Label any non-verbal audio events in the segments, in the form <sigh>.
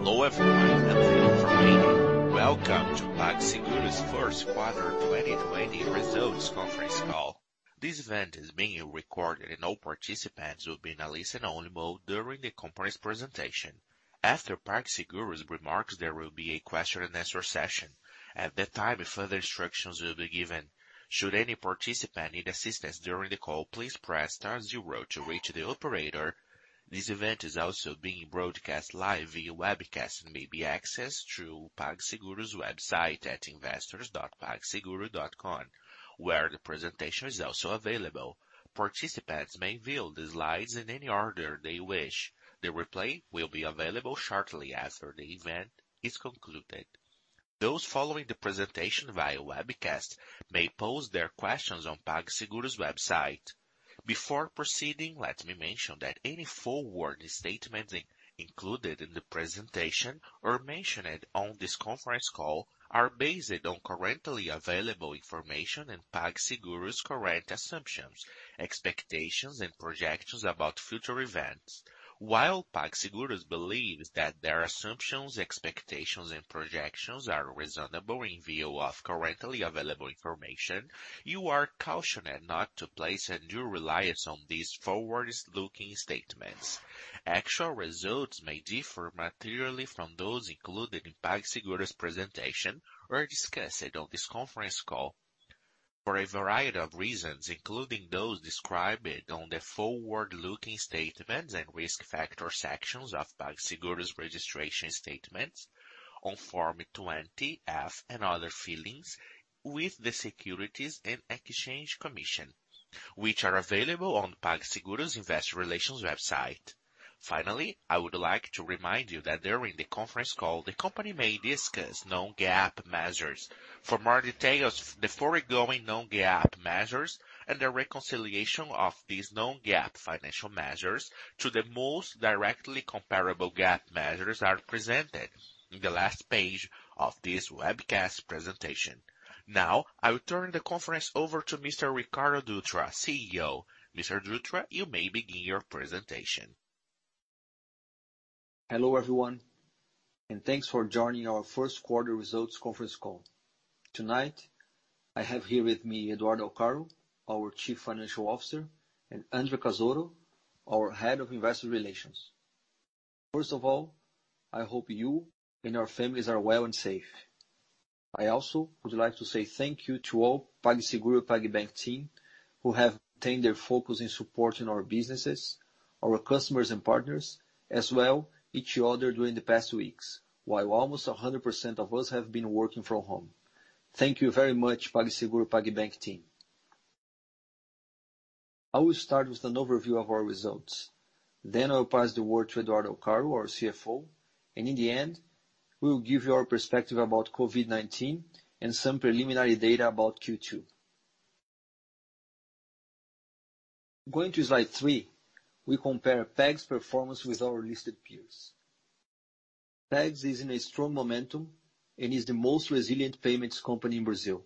Hello everyone. <audio distortion> Welcome to PagSeguro's first quarter 2020 results conference call. This event is being recorded and all participants will be in a listen only mode during the conference presentation. After PagSeguro's remarks, there will be a question and answer session. At that time, further instructions will be given. Should any participant need assistance during the call, please press star zero to reach the operator. This event is also being broadcast live via webcast and may be accessed through PagSeguro's website at investors.pagseguro.com, where the presentation is also available. Participants may view the slides in any order they wish. The replay will be available shortly after the event is concluded. Those following the presentation via webcast may pose their questions on PagSeguro's website. Before proceeding, let me mention that any forward statements included in the presentation or mentioned on this conference call are based on currently available information and PagSeguro's current assumptions, expectations, and projections about future events. While PagSeguro believes that their assumptions, expectations, and projections are reasonable in view of currently available information, you are cautioned not to place undue reliance on these forward statements. Actual results may differ materially from those included in PagSeguro's presentation or discussed on this conference call for a variety of reasons, including those described on the Forward-looking Statements and Risk Factors sections of PagSeguro's registration statements on Form 20-F and other filings with the Securities and Exchange Commission, which are available on PagSeguro's investor relations website. Finally, I would like to remind you that during the conference call, the company may discuss non-GAAP measures. For more details, the foregoing non-GAAP measures and the reconciliation of these non-GAAP financial measures to the most directly comparable GAAP measures are presented in the last page of this webcast presentation. I will turn the conference over to Mr. Ricardo Dutra, CEO. Mr. Dutra, you may begin your presentation. Hello everyone, and thanks for joining our first quarter results conference call. Tonight, I have here with me Eduardo Alcaro, our Chief Financial Officer, and Andre Cazotto, our Head of Investor Relations. First of all, I hope you and your families are well and safe. I also would like to say thank you to all PagSeguro and PagBank team who have maintained their focus in supporting our businesses, our customers and partners, as well each other during the past weeks, while almost 100% of us have been working from home. Thank you very much PagSeguro, PagBank team. I will start with an overview of our results, then I'll pass the word to Eduardo Alcaro, our CFO, and in the end, we'll give you our perspective about COVID-19 and some preliminary data about Q2. Going to slide three, we compare PAGS's performance with our listed peers. PAGS is in a strong momentum and is the most resilient payments company in Brazil.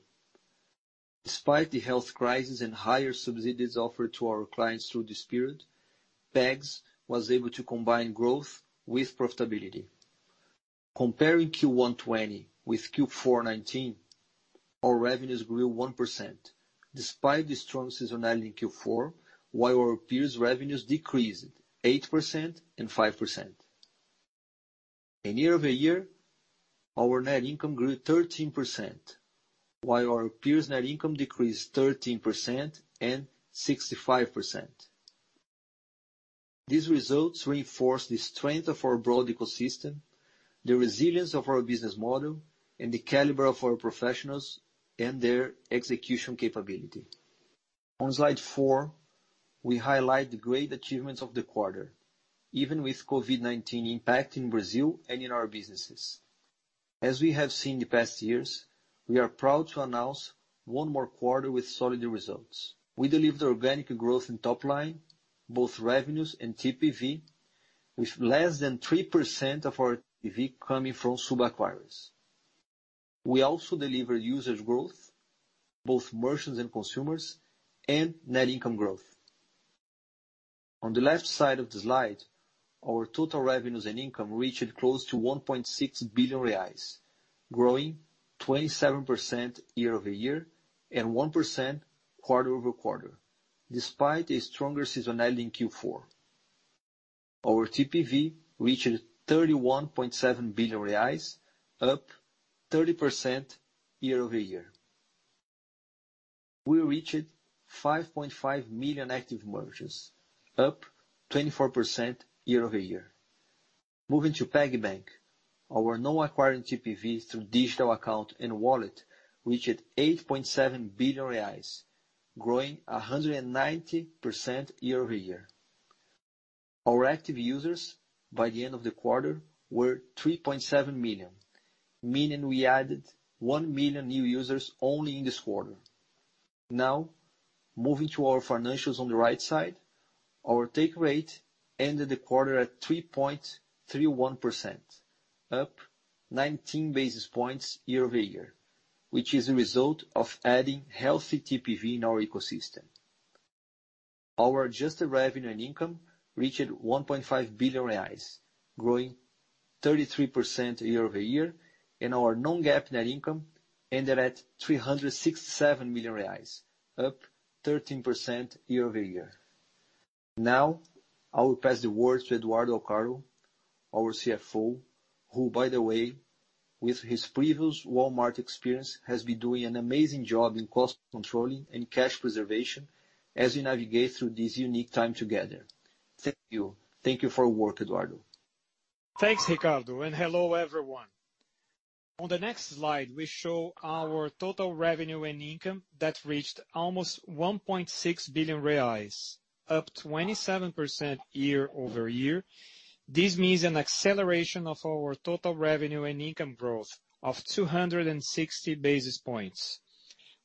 Despite the health crisis and higher subsidies offered to our clients through this period, PAGS was able to combine growth with profitability. Comparing Q1 2020 with Q4 2019, our revenues grew 1%, despite the strong seasonality in Q4, while our peers revenues decreased 8% and 5%. In year-over-year, our net income grew 13%, while our peers net income decreased 13% and 65%. These results reinforce the strength of our broad ecosystem, the resilience of our business model, and the caliber of our professionals and their execution capability. On slide four, we highlight the great achievements of the quarter, even with COVID-19 impact in Brazil and in our businesses. As we have seen the past years, we are proud to announce one more quarter with solid results. We delivered organic growth in top line, both revenues and TPV, with less than 3% of our TPV coming from sub-acquirers. We also delivered users growth, both merchants and consumers, and net income growth. On the left side of the slide, our total revenues and income reached close to 1.6 billion reais, growing 27% year-over-year and 1% quarter-over-quarter, despite a stronger seasonality in Q4. Our TPV reached 31.7 billion reais, up 30% year-over-year. We reached 5.5 million active merchants, up 24% year-over-year. Moving to PagBank, our non-acquiring TPV through digital account and wallet reached 8.7 billion reais, growing 190% year-over-year. Our active users by the end of the quarter were 3.7 million, meaning we added 1 million new users only in this quarter. Now moving to our financials on the right side. Our take rate ended the quarter at 3.31%, up 19 basis points year-over-year, which is a result of adding healthy TPV in our ecosystem. Our adjusted revenue and income reached 1.5 billion reais, growing 33% year-over-year, and our non-GAAP net income ended at 367 million reais, up 13% year-over-year. Now I will pass the word to Eduardo Alcaro, our CFO, who, by the way, with his previous Walmart experience, has been doing an amazing job in cost controlling and cash preservation as we navigate through this unique time together. Thank you. Thank you for your work, Eduardo. Thanks, Ricardo. Hello, everyone. On the next slide, we show our total revenue and income that reached almost 1.6 billion reais, up 27% year-over-year. This means an acceleration of our total revenue and income growth of 260 basis points,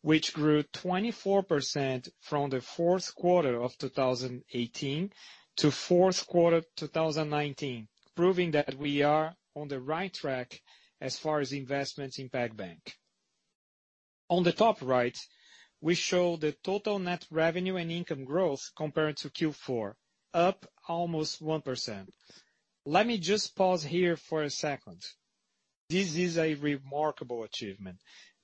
which grew 24% from the first quarter of 2018 to first quarter 2019, proving that we are on the right track as far as investments in PagBank. On the top right, we show the total net revenue and income growth compared to Q4, up almost 1%. Let me just pause here for a second. This is a remarkable achievement.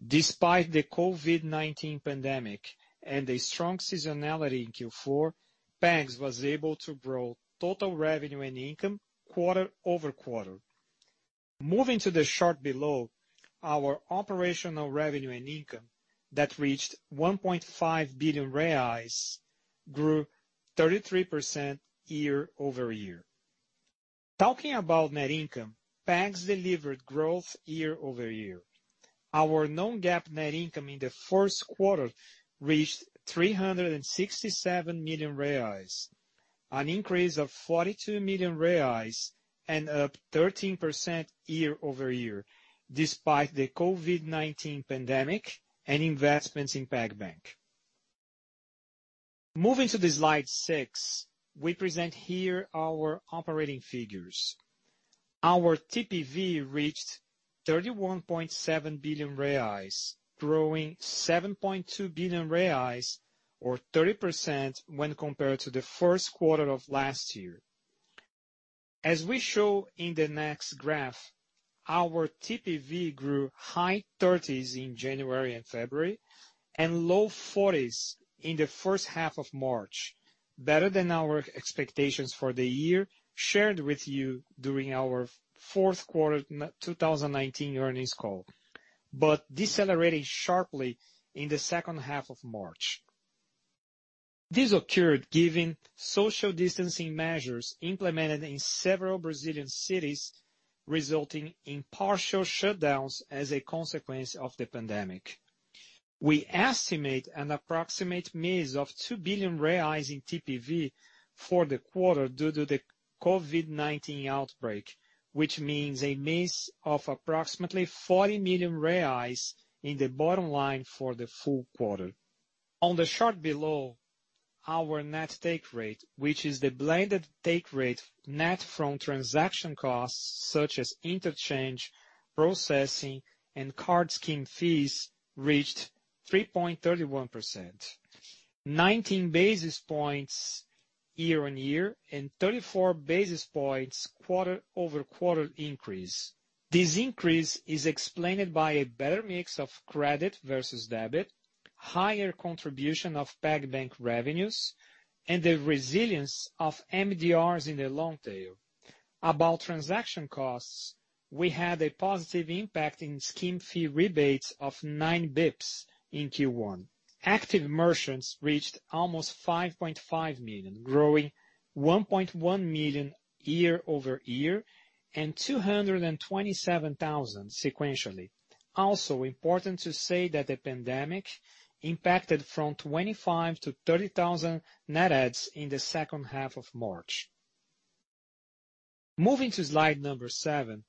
Despite the COVID-19 pandemic and a strong seasonality in Q4, PAGS's was able to grow total revenue and income quarter-over-quarter. Moving to the chart below, our operational revenue and income, that reached 1.5 billion reais, grew 33% year-over-year. Talking about net income, PAGS's delivered growth year-over-year. Our non-GAAP net income in the first quarter reached 367 million reais, an increase of 42 million reais and up 13% year-over-year, despite the COVID-19 pandemic and investments in PagBank. Moving to the slide six, we present here our operating figures. Our TPV reached 31.7 billion reais, growing 7.2 billion reais or 30% when compared to the first quarter of last year. As we show in the next graph, our TPV grew high 30s in January and February and low 40s in the first half of March, better than our expectations for the year shared with you during our first quarter 2019 earnings call, decelerating sharply in the second half of March. This occurred given social distancing measures implemented in several Brazilian cities, resulting in partial shutdowns as a consequence of the pandemic. We estimate an approximate miss of 2 billion reais in TPV for the quarter due to the COVID-19 outbreak, which means a miss of approximately 40 million reais in the bottom line for the full quarter. On the chart below, our net take rate, which is the blended take rate net from transaction costs such as interchange, processing, and card scheme fees, reached 3.31%, 19 basis points year-over-year and 34 basis points quarter-over-quarter increase. This increase is explained by a better mix of credit versus debit, higher contribution of PagBank revenues, and the resilience of MDRs in the long tail. About transaction costs, we had a positive impact in scheme fee rebates of 9 basis points in Q1. Active merchants reached almost 5.5 million, growing 1.1 million year-over-year and 227,000 sequentially. Important to say that the pandemic impacted from 25-30,000 net adds in the second half of March. Moving to slide number seven,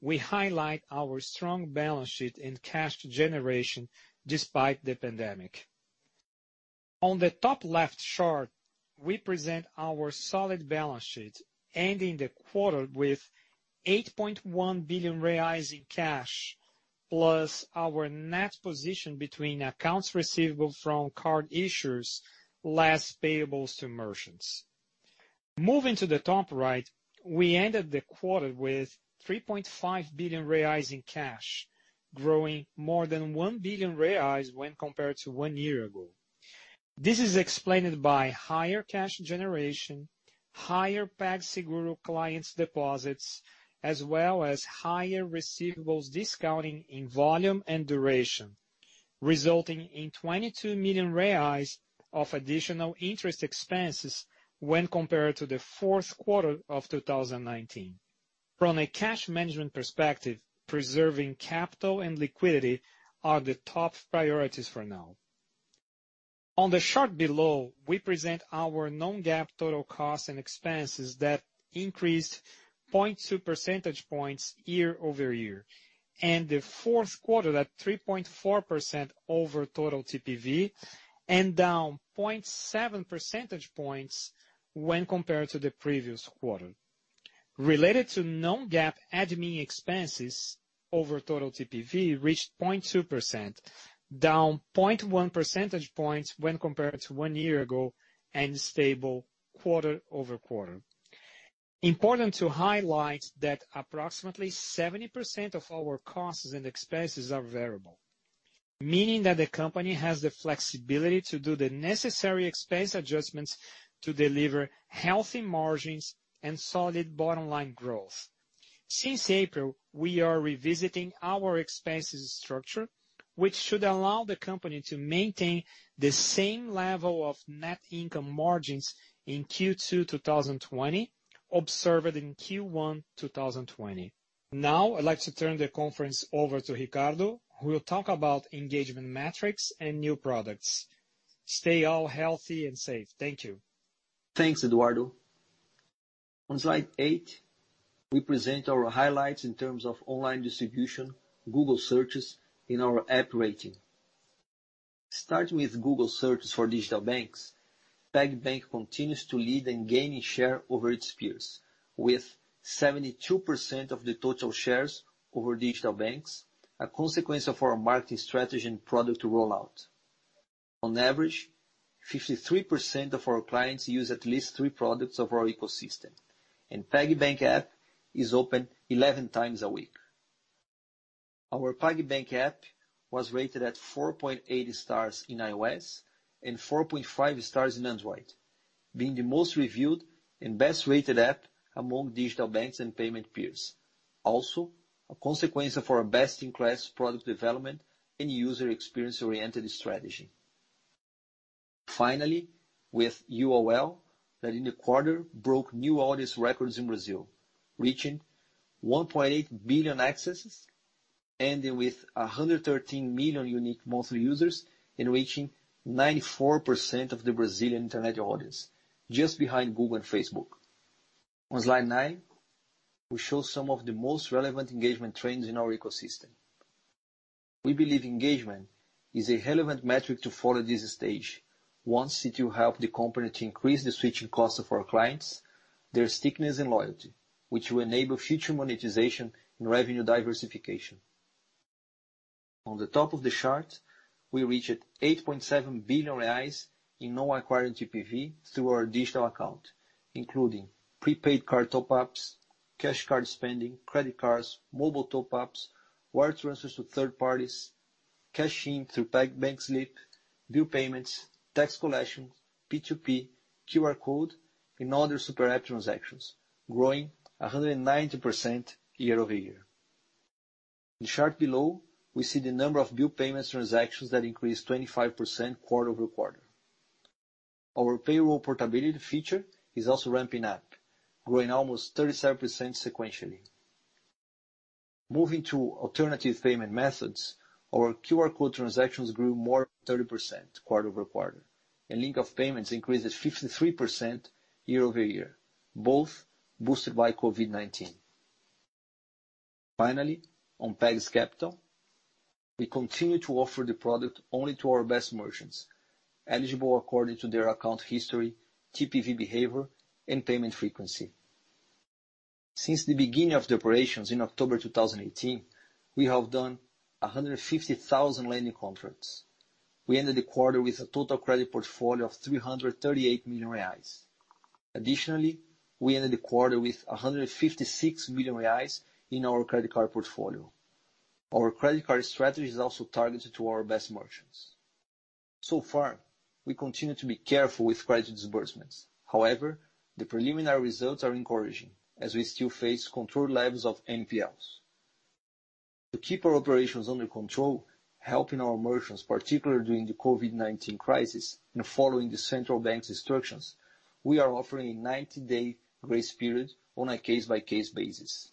we highlight our strong balance sheet and cash generation despite the pandemic. On the top left chart, we present our solid balance sheet, ending the quarter with 8.1 billion reais in cash, plus our net position between accounts receivable from card issuers, less payables to merchants. Moving to the top right, we ended the quarter with 3.5 billion reais in cash, growing more than 1 billion reais when compared to one year ago. This is explained by higher cash generation, higher PagSeguro clients' deposits, as well as higher receivables discounting in volume and duration, resulting in 22 million reais of additional interest expenses when compared to the fourth quarter of 2019. From a cash management perspective, preserving capital and liquidity are the top priorities for now. On the chart below, we present our non-GAAP total costs and expenses that increased 0.2 percentage points year-over-year. In the fourth quarter, that 3.4% over total TPV and down 0.7 percentage points when compared to the previous quarter. Related to non-GAAP admin expenses over total TPV reached 0.2%, down 0.1 percentage points when compared to one year ago and stable quarter-over-quarter. Important to highlight that approximately 70% of our costs and expenses are variable, meaning that the company has the flexibility to do the necessary expense adjustments to deliver healthy margins and solid bottom-line growth. Since April, we are revisiting our expenses structure, which should allow the company to maintain the same level of net income margins in Q2 2020 observed in Q1 2020. Now I'd like to turn the conference over to Ricardo, who will talk about engagement metrics and new products. Stay all healthy and safe. Thank you. Thanks, Eduardo. On slide eight, we present our highlights in terms of online distribution, Google searches, and our app rating. Starting with Google searches for digital banks, PagBank continues to lead and gain share over its peers, with 72% of the total shares over digital banks, a consequence of our marketing strategy and product rollout. On average, 53% of our clients use at least three products of our ecosystem, and PagBank app is opened 11 times a week. Our PagBank app was rated at 4.8 stars in iOS and 4.5 stars in Android, being the most reviewed and best-rated app among digital banks and payment peers. Also, a consequence of our best-in-class product development and user experience-oriented strategy. Finally, with UOL, that in the quarter broke new audience records in Brazil, reaching 1.8 billion accesses, ending with 113 million unique monthly users, and reaching 94% of the Brazilian internet audience, just behind Google and Facebook. On slide nine, we show some of the most relevant engagement trends in our ecosystem. We believe engagement is a relevant metric to follow at this stage, once it will help the company to increase the switching cost of our clients, their stickiness and loyalty, which will enable future monetization and revenue diversification. On the top of the chart, we reached 8.7 billion reais in no acquiring TPV through our digital account, including prepaid card top-ups, cash card spending, credit cards, mobile top-ups, wire transfers to third parties, cash in through PagBank slip, bill payments, tax collection, P2P, QR code, and other super app transactions, growing 119% year-over-year. The chart below, we see the number of bill payments transactions that increased 25% quarter-over-quarter. Our payroll portability feature is also ramping up, growing almost 37% sequentially. Moving to alternative payment methods, our QR code transactions grew more than 30% quarter-over-quarter, and Payment Link increased 53% year-over-year, both boosted by COVID-19. Finally, on PAGS Capital, we continue to offer the product only to our best merchants, eligible according to their account history, TPV behavior, and payment frequency. Since the beginning of the operations in October 2018, we have done 150,000 lending contracts. We ended the quarter with a total credit portfolio of 338 million reais. Additionally, we ended the quarter with 156 million reais in our credit card portfolio. Our credit card strategy is also targeted to our best merchants. So far, we continue to be careful with credit disbursements. The preliminary results are encouraging, as we still face controlled levels of NPLs. To keep our operations under control, helping our merchants, particularly during the COVID-19 crisis and following the central bank's instructions, we are offering a 90-day grace period on a case-by-case basis.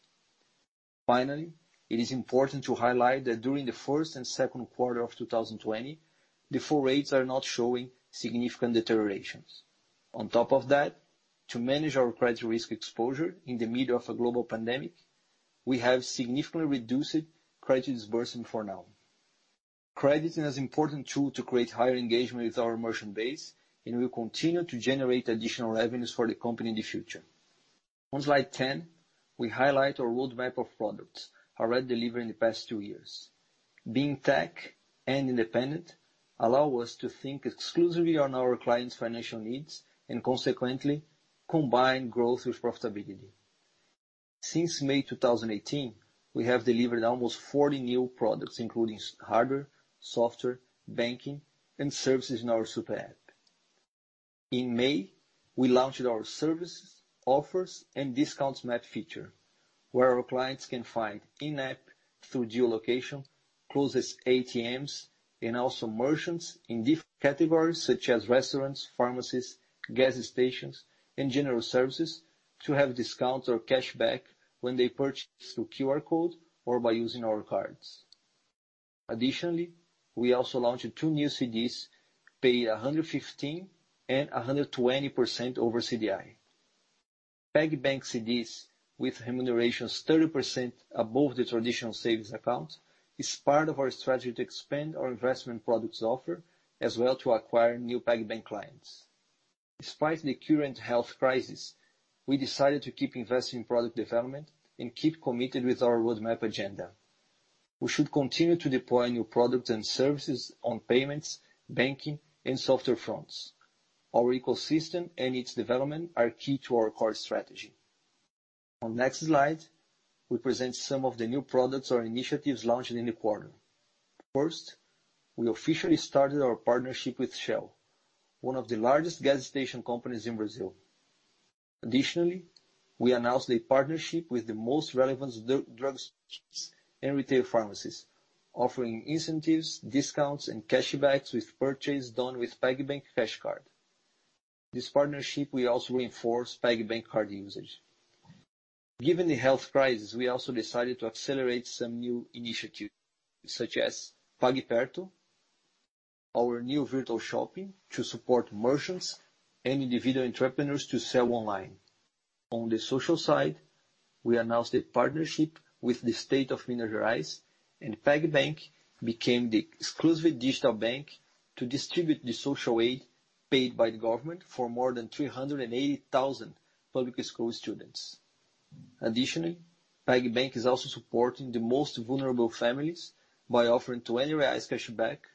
It is important to highlight that during the first and second quarter of 2020, default rates are not showing significant deteriorations. To manage our credit risk exposure in the middle of a global pandemic, we have significantly reduced credit disbursement for now. Credit is an important tool to create higher engagement with our merchant base, and will continue to generate additional revenues for the company in the future. On slide 10, we highlight our roadmap of products already delivered in the past two years. Being tech and independent allows us to think exclusively on our clients' financial needs, and consequently, combine growth with profitability. Since May 2018, we have delivered almost 40 new products, including hardware, software, banking, and services in our super app. In May, we launched our services, offers, and discounts map feature, where our clients can find in-app through geolocation, closest ATMs, and also merchants in different categories such as restaurants, pharmacies, gas stations, and general services to have discount or cashback when they purchase through QR code or by using our cards. Additionally, we also launched two new CDs, paying 115% and 120% over CDI. PagBank CDs with remunerations 30% above the traditional savings account is part of our strategy to expand our investment products offer, as well to acquire new PagBank clients. Despite the current health crisis, we decided to keep investing in product development and keep committed with our roadmap agenda. We should continue to deploy new products and services on payments, banking, and software fronts. Our ecosystem and its development are key to our core strategy. On next slide, we present some of the new products or initiatives launched in the quarter. First, we officially started our partnership with Shell, one of the largest gas station companies in Brazil. Additionally, we announced a partnership with the most relevant drugstores and retail pharmacies, offering incentives, discounts, and cash backs with purchase done with PagBank Cash Card. This partnership will also reinforce PagBank card usage. Given the health crisis, we also decided to accelerate some new initiatives, such as PagPerto, our new virtual shopping to support merchants and individual entrepreneurs to sell online. PagBank became the exclusive digital bank to distribute the social aid paid by the government for more than 380,000 public school students. Additionally, PagBank is also supporting the most vulnerable families by offering 20 reais cash back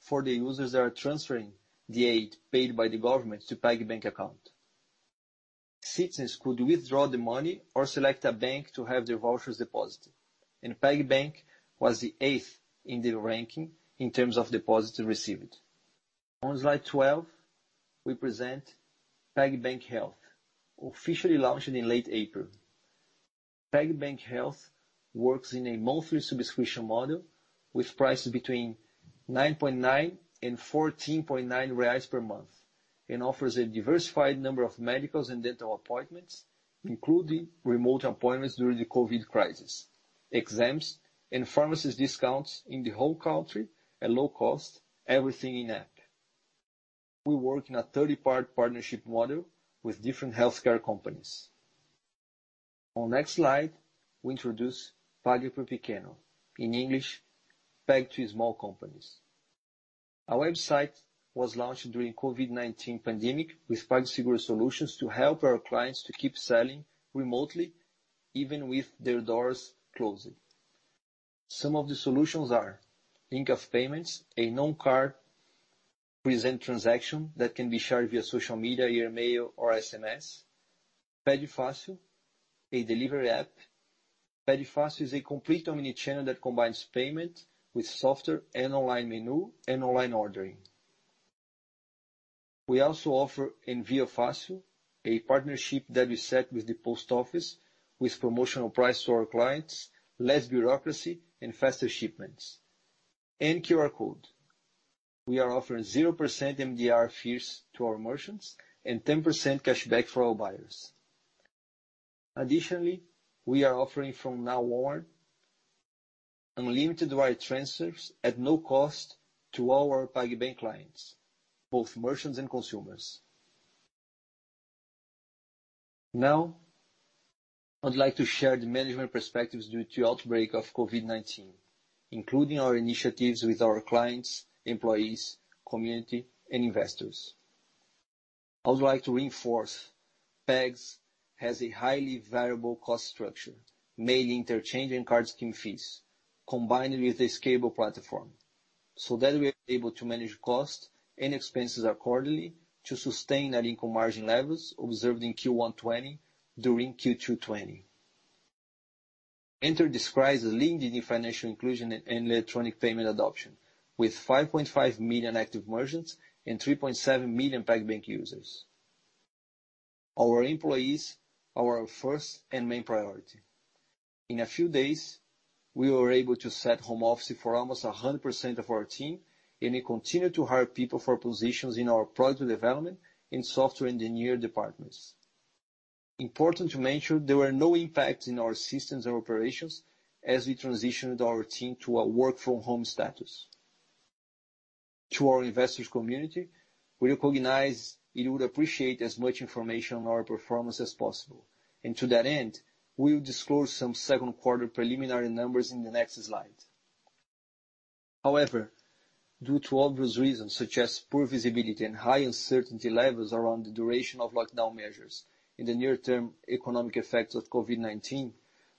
for the users that are transferring the aid paid by the government to PagBank account. Citizens could withdraw the money or select a bank to have their vouchers deposited. PagBank was the eighth in the ranking in terms of deposits received. On slide 12, we present PagBank Health, officially launched in late April. PagBank Health works in a monthly subscription model with prices between 9.9-14.9 reais per month and offers a diversified number of medical and dental appointments, including remote appointments during the COVID crisis, exams and pharmacy discounts in the whole country at low cost, everything in-app. We work in a third-party partnership model with different healthcare companies. On next slide, we introduce Pag pro Pequeno. In English, Pag to small companies. Our website was launched during COVID-19 pandemic with PagSeguro solutions to help our clients to keep selling remotely even with their doors closed. Some of the solutions are Payment Link, a card-not-present transaction that can be shared via social media, email, or SMS. Pede Fácil, a delivery app. Pede Fácil is a complete omni-channel that combines payment with software and online menu and online ordering. We also offer Envio Fácil, a partnership that we set with the post office with promotional price to our clients, less bureaucracy, and faster shipments, and QR code. We are offering 0% MDR fees to our merchants and 10% cash back for our buyers. Additionally, we are offering from now on unlimited wire transfers at no cost to all our PagBank clients, both merchants and consumers. Now I'd like to share the management perspectives due to outbreak of COVID-19, including our initiatives with our clients, employees, community, and investors. I would like to reinforce PAGS has a highly variable cost structure, mainly interchange and card scheme fees, combined with a scalable platform, so that we are able to manage costs and expenses accordingly to sustain our income margin levels observed in Q1 2020 during Q2 2020. Enter describes a leading in financial inclusion and electronic payment adoption with 5.5 million active merchants and 3.7 million PagBank users. Our employees are our first and main priority. In a few days, we were able to set home office for almost 100% of our team, and we continue to hire people for positions in our product development and software engineer departments. Important to mention, there were no impacts in our systems or operations as we transitioned our team to a work from home status. To our investors community, we recognize you would appreciate as much information on our performance as possible. To that end, we will disclose some second quarter preliminary numbers in the next slide. However, due to obvious reasons such as poor visibility and high uncertainty levels around the duration of lockdown measures and the near-term economic effects of COVID-19,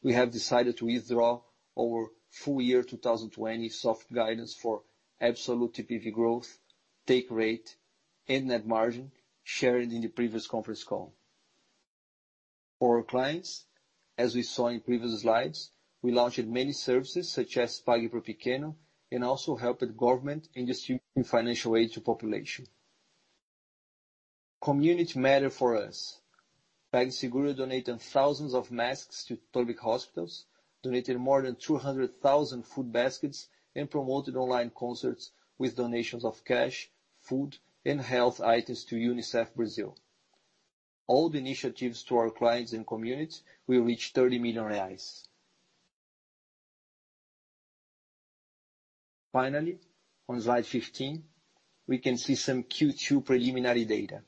we have decided to withdraw our full year 2020 soft guidance for absolute TPV growth, take rate, and net margin shared in the previous conference call. For our clients, as we saw in previous slides, we launched many services such as Pag pro Pequeno and also helped the government in distributing financial aid to population. Community matter for us. PagSeguro donated thousands of masks to public hospitals, donated more than 200,000 food baskets, and promoted online concerts with donations of cash, food, and health items to UNICEF Brazil. All the initiatives to our clients and community will reach 30 million. Finally, on slide 15, we can see some Q2 preliminary data.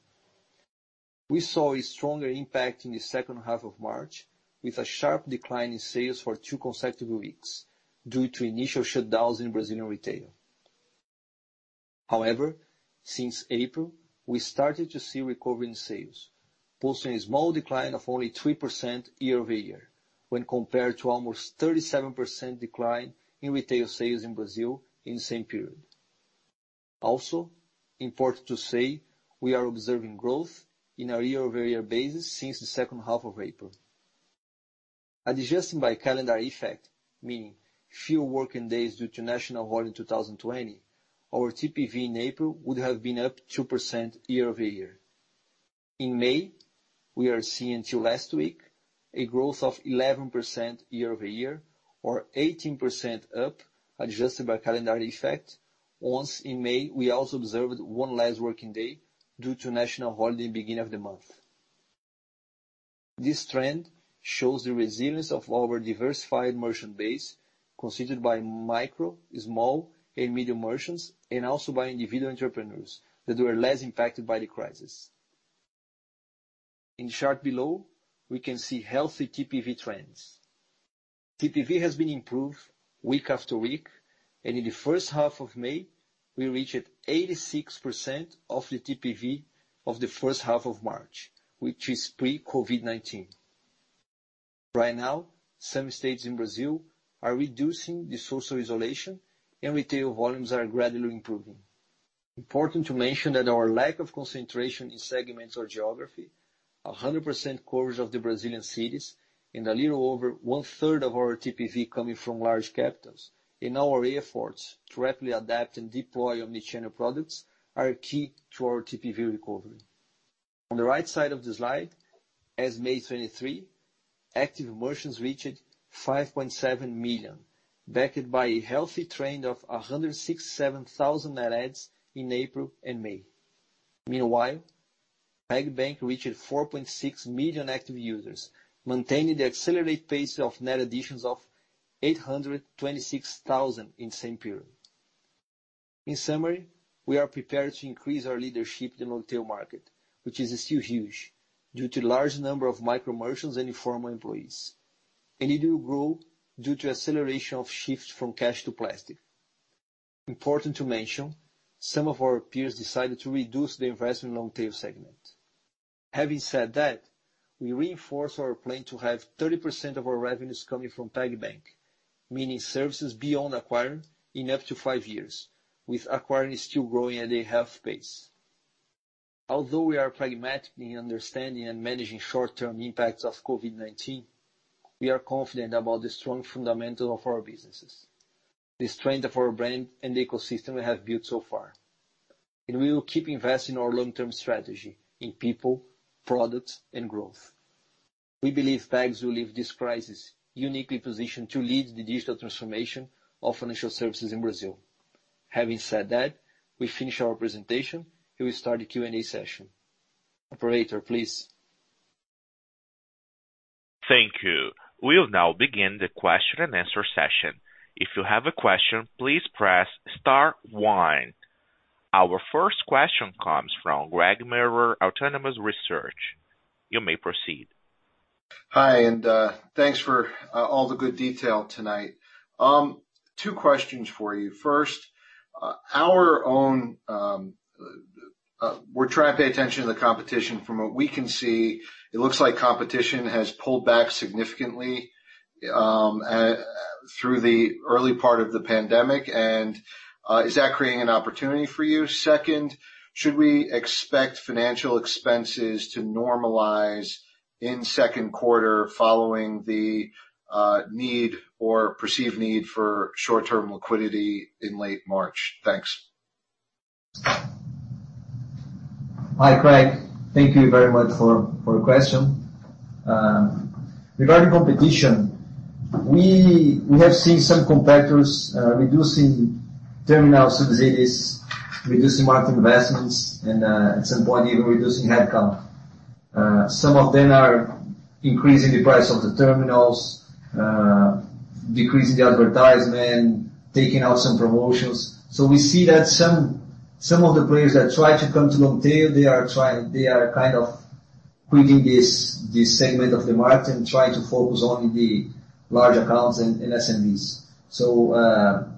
We saw a stronger impact in the second half of March with a sharp decline in sales for two consecutive weeks due to initial shutdowns in Brazilian retail. However, since April, we started to see recovery in sales, posting a small decline of only 3% year-over-year when compared to almost 37% decline in retail sales in Brazil in the same period. Also important to say, we are observing growth in a year-over-year basis since the second half of April. Adjusting by calendar effect, meaning fewer working days due to national holiday in 2020, our TPV in April would have been up 2% year-over-year. In May, we are seeing till last week a growth of 11% year-over-year or 18% up adjusted by calendar effect. Once in May, we also observed one less working day due to national holiday beginning of the month. This trend shows the resilience of our diversified merchant base, constituted by micro, small, and medium merchants, and also by individual entrepreneurs that were less impacted by the crisis. In the chart below, we can see healthy TPV trends. TPV has been improved week after week, and in the first half of May, we reached 86% of the TPV of the first half of March, which is pre-COVID-19. Some states in Brazil are reducing the social isolation, and retail volumes are gradually improving. Important to mention that our lack of concentration in segments or geography, 100% coverage of the Brazilian cities and a little over 1/3 of our TPV coming from large capitals. Our efforts to rapidly adapt and deploy omni-channel products are key to our TPV recovery. On the right side of the slide, as May 23, active merchants reached 5.7 million, backed by a healthy trend of 167,000 net adds in April and May. Meanwhile, PagBank reached 4.6 million active users, maintaining the accelerated pace of net additions of 826,000 in the same period. In summary, we are prepared to increase our leadership in the long-tail market, which is still huge due to the large number of micro merchants and informal employees, and it will grow due to acceleration of shifts from cash to plastic. Important to mention, some of our peers decided to reduce the investment long-tail segment. Having said that, we reinforce our plan to have 30% of our revenues coming from PagBank, meaning services beyond acquiring in up to five years, with acquiring still growing at a healthy pace. Although we are pragmatic in understanding and managing short-term impacts of COVID-19, we are confident about the strong fundamentals of our businesses, the strength of our brand, and the ecosystem we have built so far. We will keep investing in our long-term strategy in people, products, and growth. We believe Pag will leave this crisis uniquely positioned to lead the digital transformation of financial services in Brazil. Having said that, we finish our presentation and we start the Q&A session. Operator, please. Thank you. We'll now begin the question and answer session. If you have a question, please press star one. Our first question comes from Craig Maurer, Autonomous Research. You may proceed. Hi, thanks for all the good detail tonight. Two questions for you. First, we're trying to pay attention to the competition. From what we can see, it looks like competition has pulled back significantly through the early part of the pandemic. Is that creating an opportunity for you? Second, should we expect financial expenses to normalize in second quarter following the need or perceived need for short-term liquidity in late March? Thanks. Hi, Craig. Thank you very much for the question. Regarding competition, we have seen some competitors reducing terminal subsidies, reducing market investments, and at some point, even reducing headcount. Some of them are increasing the price of the terminals, decreasing the advertisement, taking out some promotions. We see that some of the players that try to come to long tail, they are quitting this segment of the market and trying to focus only the large accounts and SMBs.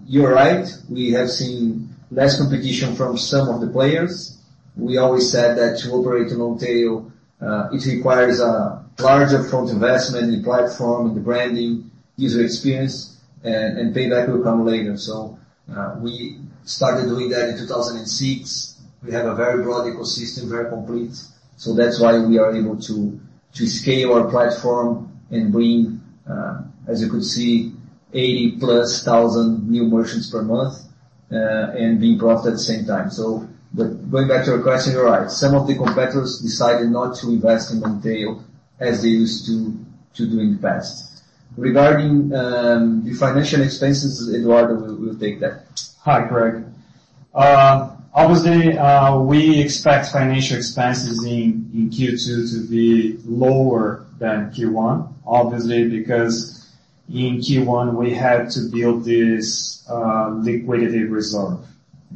You are right, we have seen less competition from some of the players. We always said that to operate a long tail, it requires a larger front investment in platform, in the branding, user experience, and payback will come later. We started doing that in 2006. We have a very broad ecosystem, very complete. That's why we are able to scale our platform and bring, as you could see, 80,000+ new merchants per month, and being profit at the same time. So, going back to your question, some of the competitors decided not to invest in retail as the used to do in the past. Regarding the financial expenses, Eduardo will take that. Hi, Craig. Obviously, we expect financial expenses in Q2 to be lower than Q1, obviously because in Q1, we had to build this liquidity reserve.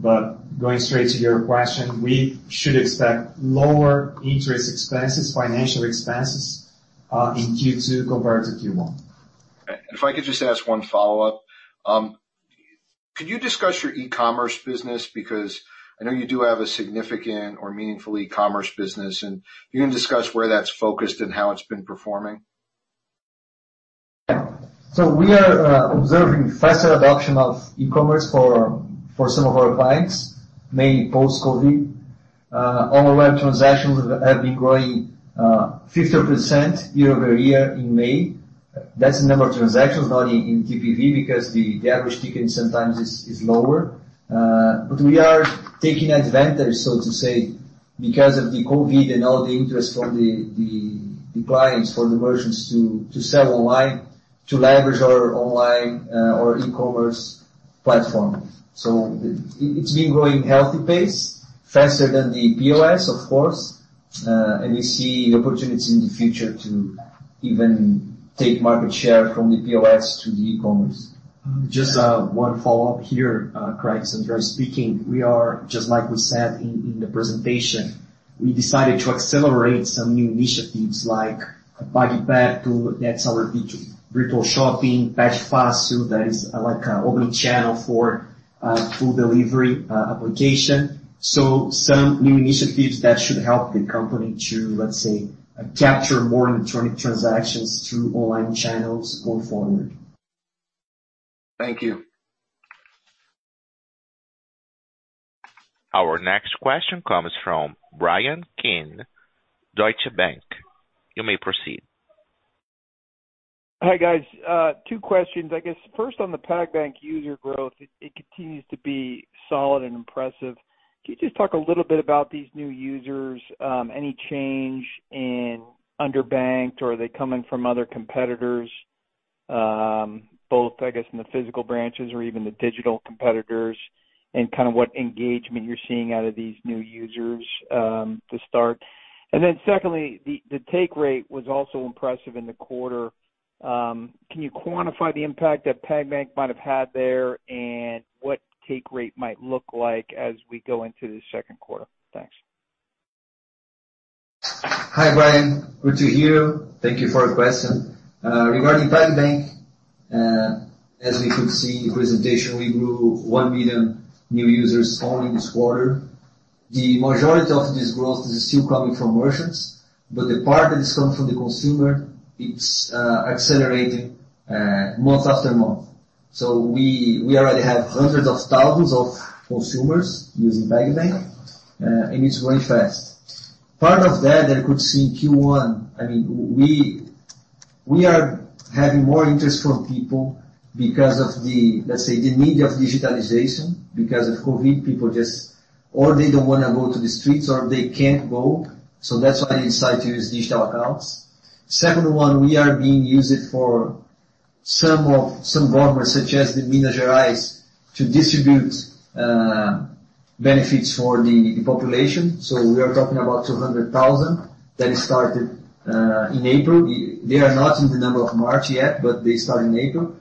Going straight to your question, we should expect lower interest expenses, financial expenses, in Q2 compared to Q1. If I could just ask one follow-up. Could you discuss your e-commerce business? I know you do have a significant or meaningful e-commerce business, and can you discuss where that's focused and how it's been performing? Yeah. We are observing faster adoption of e-commerce for some of our clients, mainly post-COVID. On the web, transactions have been growing 15% year-over-year in May. That's the number of transactions, not in TPV, because the average ticket sometimes is lower. We are taking advantage, so to say, because of the COVID and all the interest from the clients, from the merchants to sell online, to leverage our online or e-commerce platform. It's been growing healthy pace, faster than the POS, of course, and we see opportunities in the future to even take market share from the POS to the e-commerce. Just one follow-up here, Craig. Andre speaking. We are just like we said in the presentation. We decided to accelerate some new initiatives like PagBank, that's our B2B retail shopping, Pede Fácil, that is like an open channel for food delivery application. Some new initiatives that should help the company to, let's say, capture more electronic transactions through online channels going forward. Thank you. Our next question comes from Bryan Keane, Deutsche Bank. You may proceed. Hi, guys. Two questions. I guess first on the PagBank user growth, it continues to be solid and impressive. Can you just talk a little bit about these new users? Any change in underbanked or are they coming from other competitors? Both, I guess in the physical branches or even the digital competitors, and kind of what engagement you're seeing out of these new users to start. Secondly, the take rate was also impressive in the quarter. Can you quantify the impact that PagBank might have had there and what take rate might look like as we go into the second quarter? Thanks. Hi, Bryan. Good to hear you. Thank you for your question. Regarding PagBank, as we could see in presentation, we grew 1 million new users only this quarter. The majority of this growth is still coming from merchants. The part that is coming from the consumer, it's accelerating month after month. We already have hundreds of thousands of consumers using PagBank, and it's growing fast. Part of that they could see in Q1, we are having more interest from people because of the, let's say, the need of digitalization, because of COVID, people just or they don't want to go to the streets or they can't go, that's why they decide to use digital accounts. Second one, we are being used for some governments such as the Minas Gerais to distribute benefits for the population. We are talking about 200,000 that started in April. They are not in the number of March yet, but they start in April.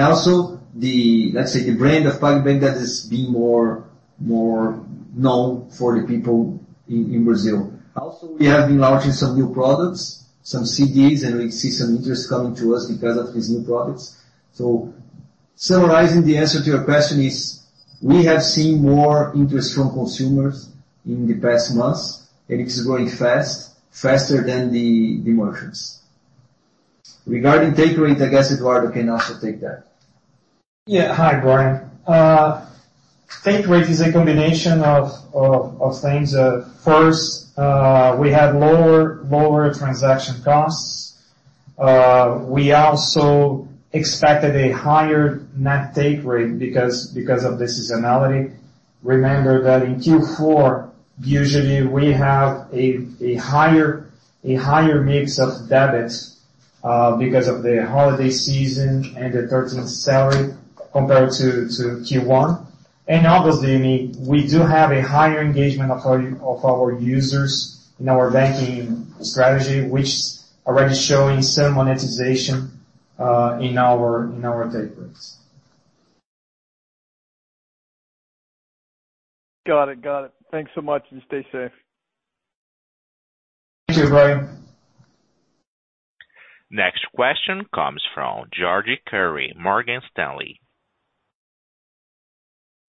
Also let's say the brand of PagBank that is being more known for the people in Brazil. Also, we have been launching some new products, some CDs, and we see some interest coming to us because of these new products. Summarizing the answer to your question is, we have seen more interest from consumers in the past months, and it is growing fast, faster than the merchants. Regarding take rate, I guess Eduardo can also take that. Yeah. Hi, Bryan. Take rate is a combination of things. First, we had lower transaction costs. We also expected a higher net take rate because of the seasonality. Remember that in Q4, usually we have a higher mix of debit because of the holiday season and the 13th salary compared to Q1. Obviously, we do have a higher engagement of our users in our banking strategy, which is already showing some monetization in our take rates. Got it. Thanks so much. Stay safe. Thank you, Bryan. Next question comes from Jorge Kuri, Morgan Stanley.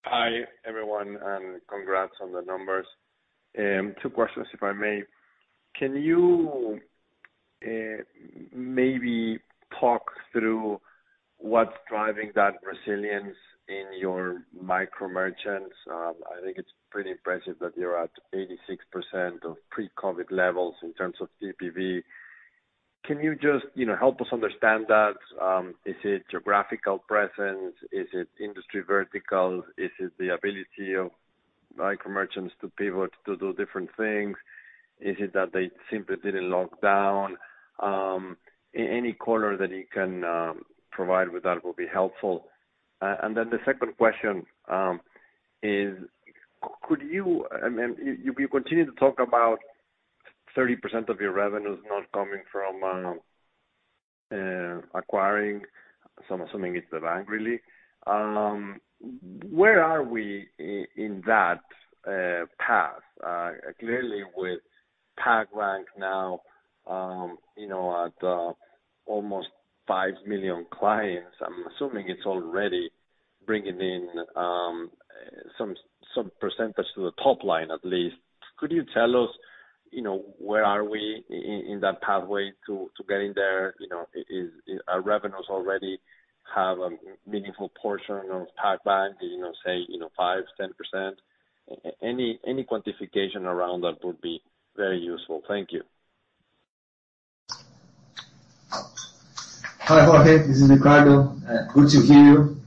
Hi, everyone, and congrats on the numbers. Two questions, if I may. Can you maybe talk through what's driving that resilience in your micro merchants? I think it's pretty impressive that you're at 86% of pre-COVID levels in terms of TPV. Can you just help us understand that? Is it geographical presence? Is it industry vertical? Is it the ability of micro merchants to pivot to do different things? Is it that they simply didn't lock down? Any color that you can provide with that will be helpful. The second question is, you continue to talk about 30% of your revenue is not coming from acquiring I'm assuming it's the bank, really. Where are we in that path? Clearly with PagBank now at almost five million clients, I'm assuming it's already bringing in some percentage to the top line, at least. Could you tell us where are we in that pathway to getting there? Is our revenues already have a meaningful portion of PagBank, say, 5%, 10%? Any quantification around that would be very useful. Thank you. Hi, Jorge. This is Ricardo. Good to hear you.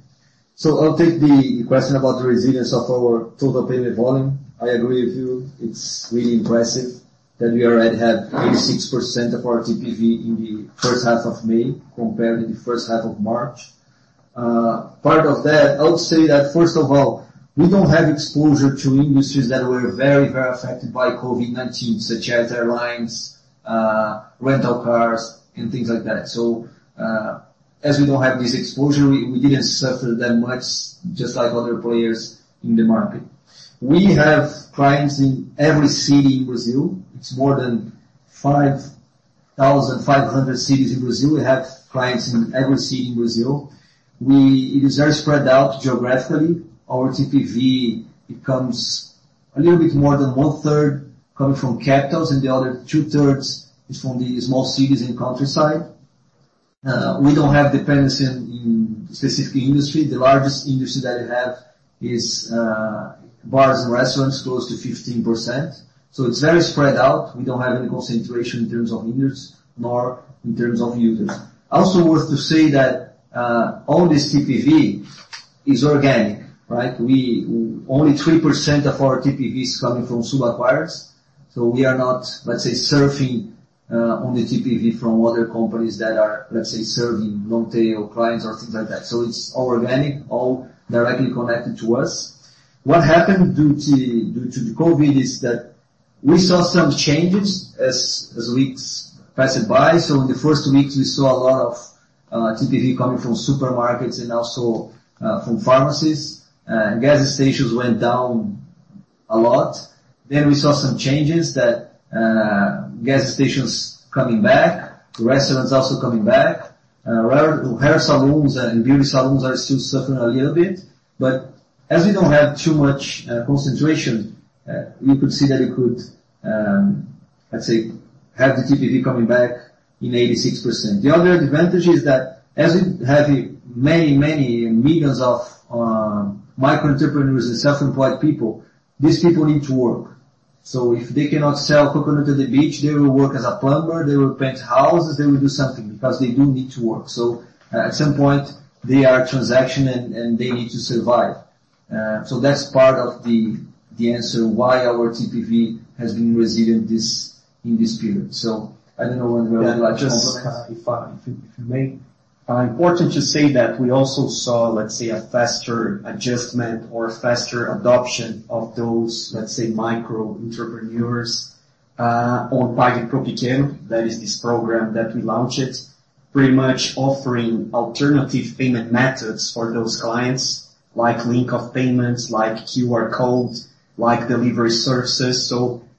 I'll take the question about the resilience of our total payment volume. I agree with you. It's really impressive that we already have 86% of our TPV in the first half of May, compared in the first half of March. Part of that, I would say that, first of all, we don't have exposure to industries that were very affected by COVID-19, such as airlines, rental cars, and things like that. As we don't have this exposure, we didn't suffer that much, just like other players in the market. We have clients in every city in Brazil. It's more than 5,500 in cities in Brazil. We have clients in every city in Brazil. It is very spread out geographically. Our TPV becomes a little bit more than 1/3 coming from capitals, and the other 2/3 is from the small cities in the countryside. We don't have dependency in specific industry. The largest industry that we have is bars and restaurants, close to 15%. It's very spread out. We don't have any concentration in terms of industry nor in terms of users. Also worth to say that all this TPV is organic. Only 3% of our TPV is coming from sub-acquirers. We are not, let's say, surfing on the TPV from other companies that are, let's say, serving long-tail clients or things like that. It's all organic, all directly connected to us. What happened due to the COVID is that we saw some changes as weeks passed by. In the first weeks, we saw a lot of TPV coming from supermarkets and also from pharmacies. Gas stations went down a lot. We saw some changes that gas stations coming back, restaurants also coming back. Hair salons and beauty salons are still suffering a little bit. As we don't have too much concentration, we could see that we could, let's say, have the TPV coming back in 86%. The other advantage is that as we have many millions of micro entrepreneurs and self-employed people, these people need to work. If they cannot sell coconut at the beach, they will work as a plumber, they will paint houses, they will do something because they do need to work. At some point, they are a transaction and they need to survive. That's part of the answer why our TPV has been resilient in this period. I don't know whether. <audio distortion> Important to say that we also saw, let's say, a faster adjustment or faster adoption of those, let's say, micro entrepreneurs on PagPME. That is this program that we launched, pretty much offering alternative payment methods for those clients, like link of payments, like QR code, like delivery services.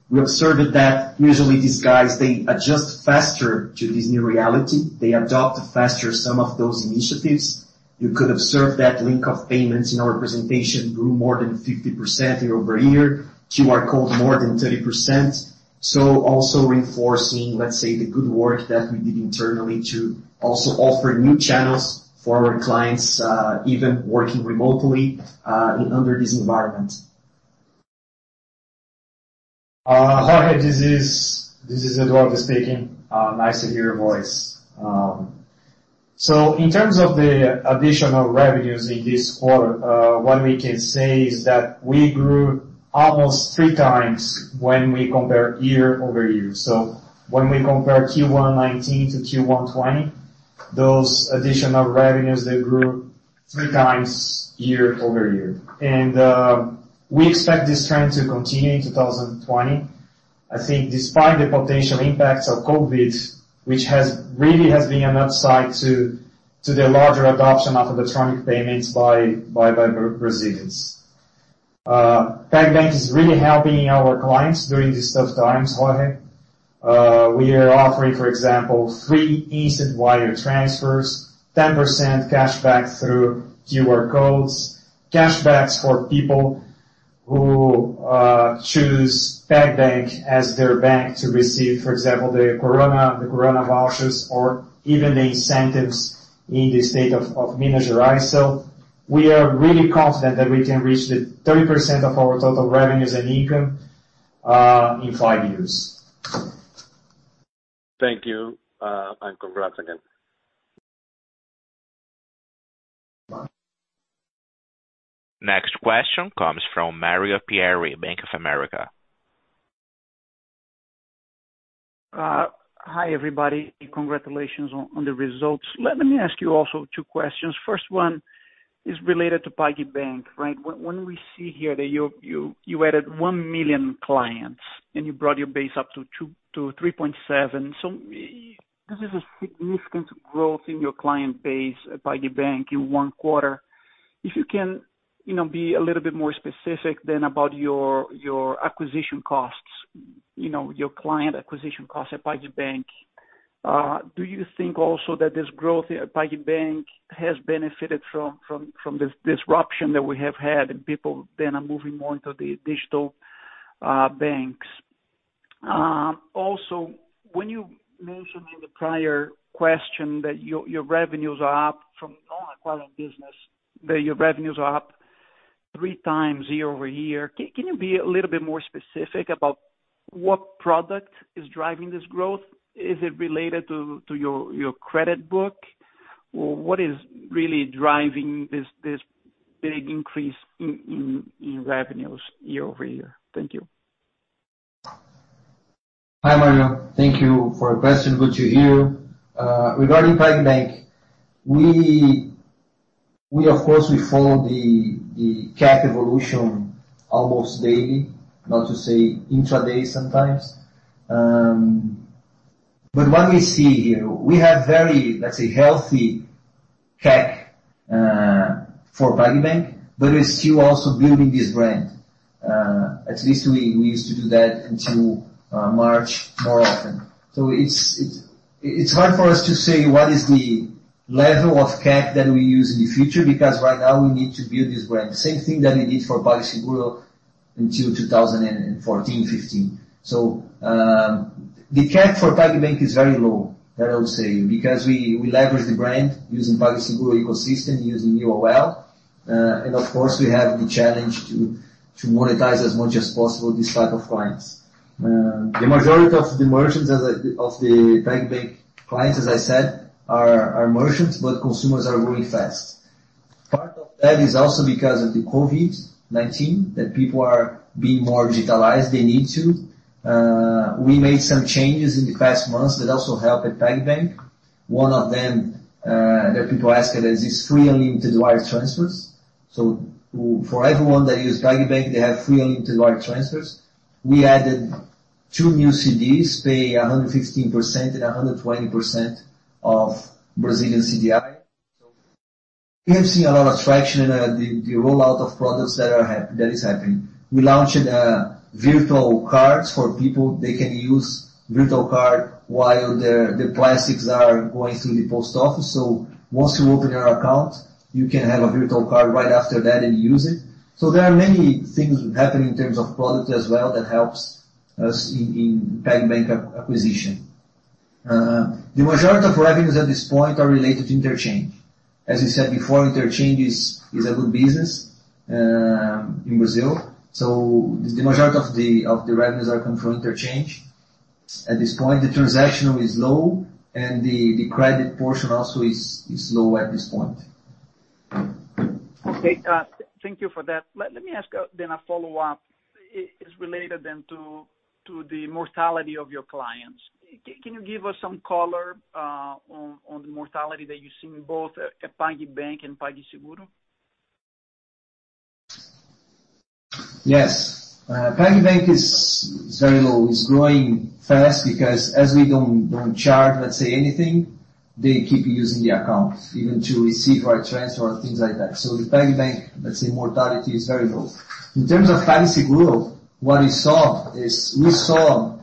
We observed that usually these guys, they adjust faster to this new reality. They adopt faster some of those initiatives. You could observe that link of payments in our presentation grew more than 50% year-over-year. QR code more than 30%. Also reinforcing, let's say, the good work that we did internally to also offer new channels for our clients even working remotely under this environment. Jorge, this is Eduardo speaking. Nice to hear your voice. In terms of the additional revenues in this quarter, what we can say is that we grew almost three times when we compare year-over-year. When we compare Q1 19 to Q1 20, those additional revenues, they grew three times year-over-year. We expect this trend to continue in 2020. I think despite the potential impacts of COVID, which really has been an upside to the larger adoption of electronic payments by Brazilians. PagBank is really helping our clients during these tough times, Jorge. We are offering, for example, free instant wire transfers, 10% cashback through QR codes, cashbacks for people who choose PagBank as their bank to receive, for example, the coronavouchers or even the incentives in the state of Minas Gerais. We are really confident that we can reach the 30% of our total revenues and income in five years. Thank you, congrats again. Next question comes from Mario Pierry, Bank of America. Hi, everybody. Congratulations on the results. Let me ask you also two questions. First one is related to PagBank. We see here that you added 1 million clients and you brought your base up to 3.7 million. This is a significant growth in your client base at PagBank in one quarter. You can be a little bit more specific then about your acquisition costs, your client acquisition costs at PagBank. Do you think also that this growth at PagBank has benefited from this disruption that we have had and people then are moving more into the digital banks? You mentioned in the prior question that your revenues are up from non-recurring business, that your revenues are up three times year-over-year, can you be a little bit more specific about what product is driving this growth? Is it related to your credit book? What is really driving this big increase in revenues year-over-year? Thank you. Hi, Mario. Thank you for your question. Good to hear. Regarding PagBank, we of course follow the CAC evolution almost daily, not to say intraday sometimes. What we see here, we have very, let's say, healthy CAC, for PagBank, but we're still also building this brand. At least we used to do that until March more often. It's hard for us to say what is the level of CAC that we use in the future, because right now we need to build this brand. Same thing that we did for PagSeguro until 2014, 2015. The CAC for PagBank is very low, I would say, because we leverage the brand using PagSeguro ecosystem, using UOL. Of course, we have the challenge to monetize as much as possible this type of clients. The majority of the PagBank clients, as I said, are merchants, but consumers are growing fast. Part of that is also because of the COVID-19, that people are being more digitalized. They need to. We made some changes in the past months that also help at PagBank. One of them, that people ask is this free unlimited wire transfers. For everyone that use PagBank, they have free unlimited wire transfers. We added two new CDs, pay 115% and 120% of Brazilian CDI. We have seen a lot of traction in the rollout of products that is happening. We launched virtual cards for people. They can use virtual card while their plastics are going through the post office. Once you open your account, you can have a virtual card right after that and use it. There are many things happening in terms of product as well that helps us in PagBank acquisition. The majority of revenues at this point are related to interchange. As I said before, interchange is a good business, in Brazil. The majority of the revenues are coming from interchange. At this point, the transaction is low and the credit portion also is low at this point. Okay. Thank you for that. Let me ask then a follow-up. It is related then to the mortality of your clients. Can you give us some color on the mortality that you see in both at PagBank and PagSeguro? Yes. PagBank is very low. It's growing fast because as we don't charge, let's say anything, they keep using the account, even to receive wire transfer or things like that. The PagBank, let's say, mortality is very low. In terms of PagSeguro, what we saw.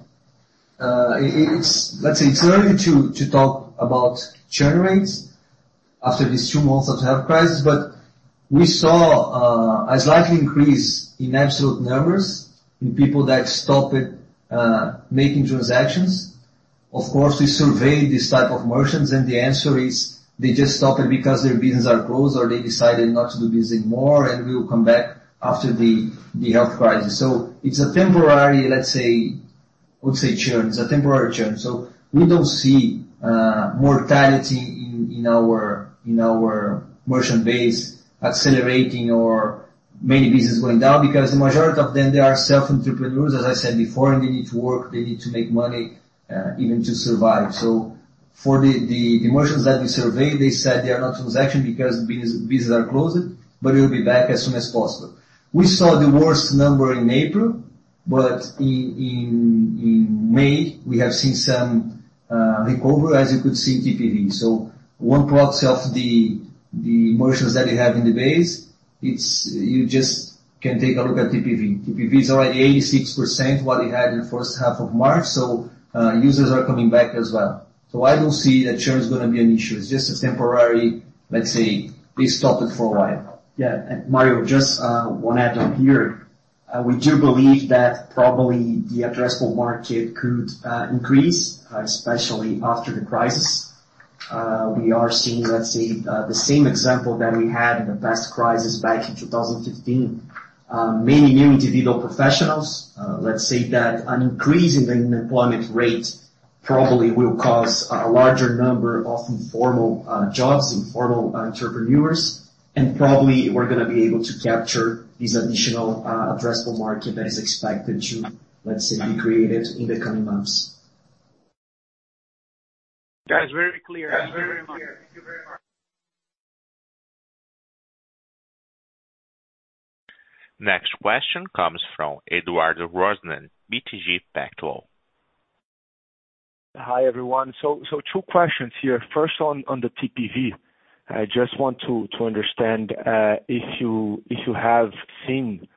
Let's say it's early to talk about churn rates after these two months of health crisis, but we saw a slight increase in absolute numbers in people that stopped making transactions. Of course, we surveyed these type of merchants and the answer is they just stopped because their business are closed, or they decided not to do business anymore, and will come back after the health crisis. It's a temporary churn. We don't see mortality in our merchant base accelerating or many business going down because the majority of them, they are self entrepreneurs, as I said before, and they need to work, they need to make money, even to survive. For the merchants that we surveyed, they said they are not transacting because business are closed, but it will be back as soon as possible. We saw the worst number in April, but in May, we have seen some recovery as you could see in TPV. One proxy of the merchants that we have in the base, you just can take a look at TPV. TPV is already 86% what we had in first half of March. Users are coming back as well. I don't see that churn is going to be an issue. It's just a temporary, let's say they stopped it for a while. Yeah, Mario, just one add-on here. We do believe that probably the addressable market could increase, especially after the crisis. We are seeing, let's say, the same example that we had in the past crisis back in 2015. Many new individual professionals, let's say that an increase in the unemployment rate probably will cause a larger number of informal jobs, informal entrepreneurs, and probably we're going to be able to capture this additional addressable market that is expected to, let's say, be created in the coming months. That's very clear. Thank you very much. Next question comes from Eduardo Rosman, BTG Pactual. Hi, everyone. Two questions here. First, on the TPV. I just want to understand if you have seen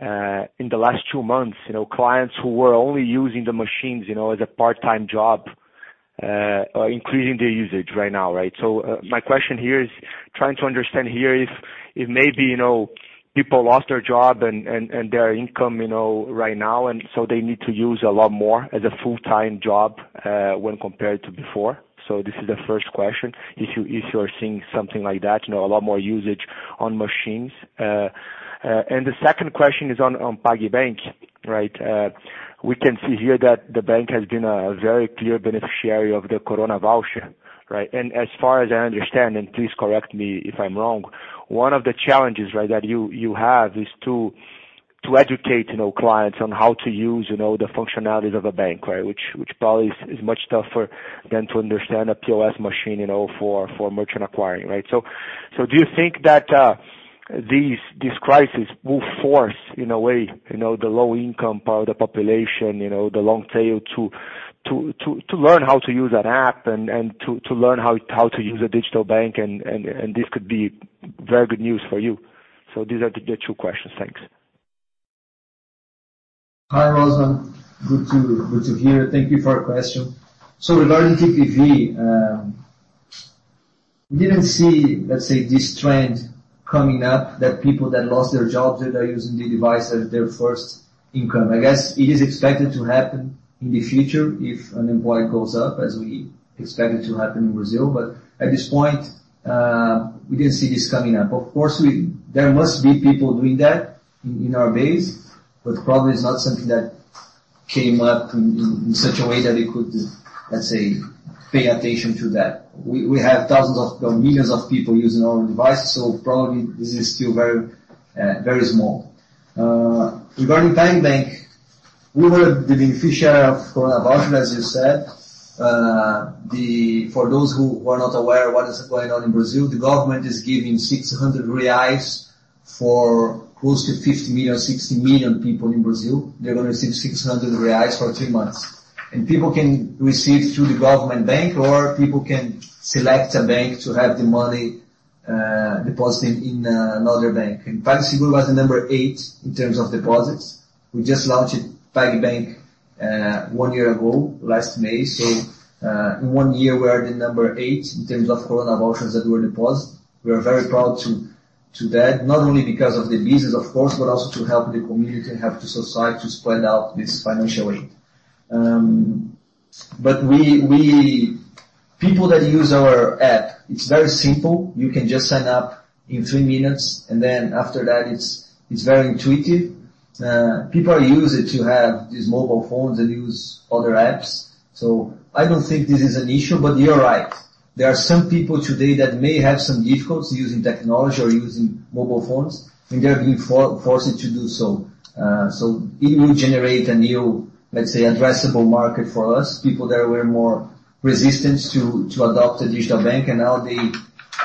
in the last two months, clients who were only using the machines as a part-time job, are increasing their usage right now, right? My question here is trying to understand here if maybe, people lost their job and their income right now, and so they need to use a lot more as a full-time job, when compared to before. This is the first question, if you are seeing something like that, a lot more usage on machines. The second question is on PagBank. We can see here that the bank has been a very clear beneficiary of the coronavoucher. As far as I understand, and please correct me if I'm wrong, one of the challenges that you have is to educate clients on how to use the functionalities of a bank, right? Which probably is much tougher than to understand a POS machine for merchant acquiring, right? Do you think that this crisis will force, in a way, the low income part of the population, the long tail, to learn how to use an app and to learn how to use a digital bank and this could be very good news for you. These are the two questions. Thanks. Hi, Rosman. Good to hear. Thank you for your question. Regarding TPV, we didn't see, let's say, this trend coming up that people that lost their jobs, that are using the device as their first income. I guess it is expected to happen in the future if unemployment goes up as we expect it to happen in Brazil. At this point, we didn't see this coming up. Of course, there must be people doing that in our base, but probably it's not something that came up in such a way that we could, let's say, pay attention to that. We have thousands of millions of people using our device, so probably this is still very small. Regarding PagBank, we were the beneficiary of coronavoucher, as you said. For those who are not aware what is going on in Brazil, the government is giving 600 reais for close to 50 million-60 million people in Brazil. They're going to receive 600 reais for three months. People can receive through the government bank, or people can select a bank to have the money deposited in another bank. PagSeguro was the number eight in terms of deposits. We just launched PagBank one year ago, last May. In one year, we are the number eight in terms of coronavouchers that were deposited. We are very proud to that, not only because of the business of course, but also to help the community and help the society to spread out this financial aid. People that use our app, it's very simple. You can just sign up in three minutes, then after that it's very intuitive. People are used to have these mobile phones and use other apps, I don't think this is an issue. You are right. There are some people today that may have some difficulties using technology or using mobile phones, and they are being forced to do so. It will generate a new, let's say, addressable market for us. People that were more resistant to adopt a digital bank and now they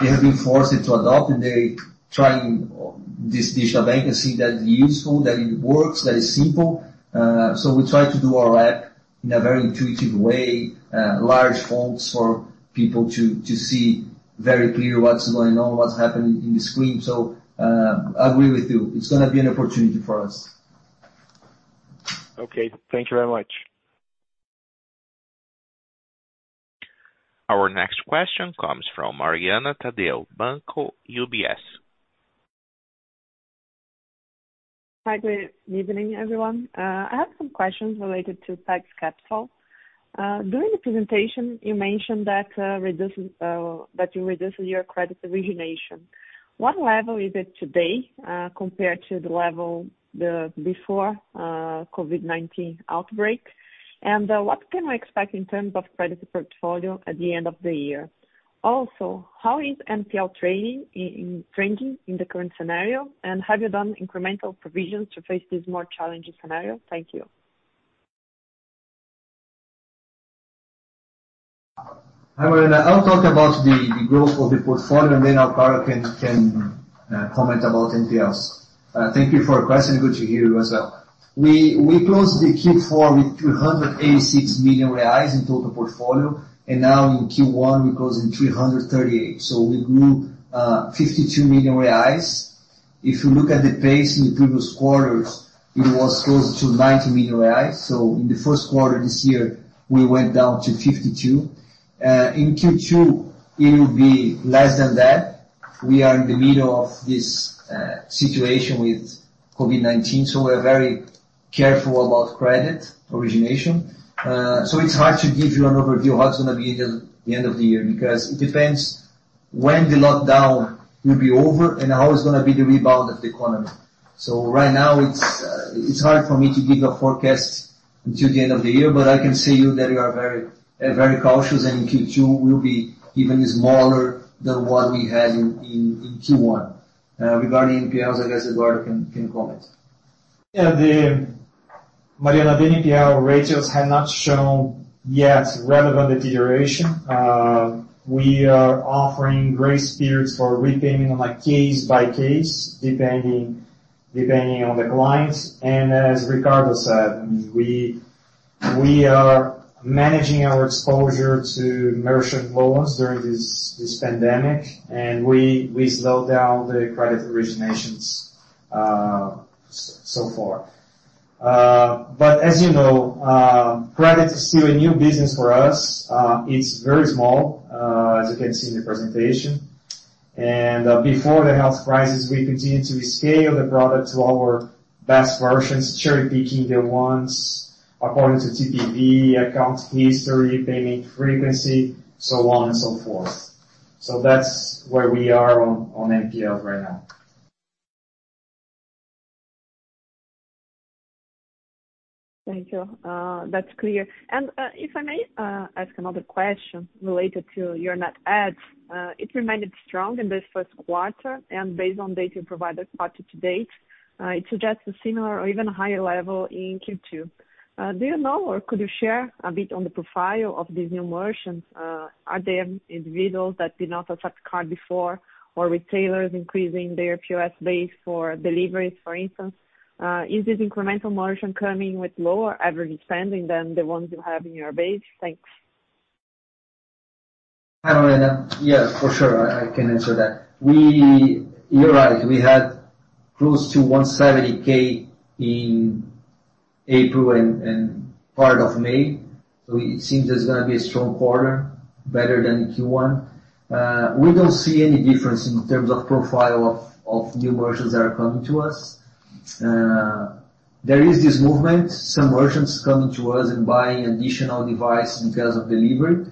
have been forced to adopt, and they trying this digital bank and see that it's useful, that it works, that it's simple. We try to do our app in a very intuitive way, large fonts for people to see very clear what's going on, what's happening in the screen. I agree with you. It's going to be an opportunity for us. Okay. Thank you very much. Our next question comes from Mariana Taddeo, UBS. Hi, good evening, everyone. I have some questions related to PAGS's capital. During the presentation, you mentioned that you reduced your credit origination. What level is it today, compared to the level before COVID-19 outbreak? What can we expect in terms of credit portfolio at the end of the year? How is NPL trending in the current scenario, and have you done incremental provisions to face this more challenging scenario? Thank you. Hi, Mariana. I'll talk about the growth of the portfolio, and then Eduardo can comment about NPLs. Thank you for your question. Good to hear you as well. We closed the Q4 with 286 million reais in total portfolio, and now in Q1 we closed in 338. We grew 52 million reais. If you look at the pace in the previous quarters, it was close to 90 million reais. In the first quarter this year, we went down to 52 million. In Q2, it will be less than that. We are in the middle of this situation with COVID-19, so we're very careful about credit origination. It's hard to give you an overview how it's going to be at the end of the year, because it depends when the lockdown will be over and how it's going to be the rebound of the economy. Right now it's hard for me to give you a forecast until the end of the year, but I can say to you that we are very cautious and Q2 will be even smaller than what we had in Q1. Regarding NPLs, I guess Eduardo can comment. Mariana, the NPL ratios have not shown relevant deterioration yet. We are offering grace periods for repayment on a case-by-case basis, depending on the clients. As Ricardo said, we are managing our exposure to merchant loans during this pandemic, and we slowed down the credit originations so far. As you know, credit is still a new business for us. It's very small, as you can see in the presentation. Before the health crisis, we continued to scale the product to our best versions, cherry-picking the ones according to TPV, account history, payment frequency, so on and so forth. That's where we are on NPL right now. Thank you. That's clear. If I may ask another question related to your net adds. It remained strong in this first quarter, and based on data provided quarter to date, it suggests a similar or even higher level in Q2. Do you know, or could you share a bit on the profile of these new merchants? Are they individuals that did not have Tap card before or retailers increasing their POS base for deliveries, for instance? Is this incremental merchant coming with lower average spending than the ones you have in your base? Thanks. Hi, Mariana. Yeah, for sure. I can answer that. You're right. We had close to 170,000 in April and part of May. It seems there's going to be a strong quarter, better than in Q1. We don't see any difference in terms of profile of new merchants that are coming to us. There is this movement, some merchants coming to us and buying additional device because of delivery.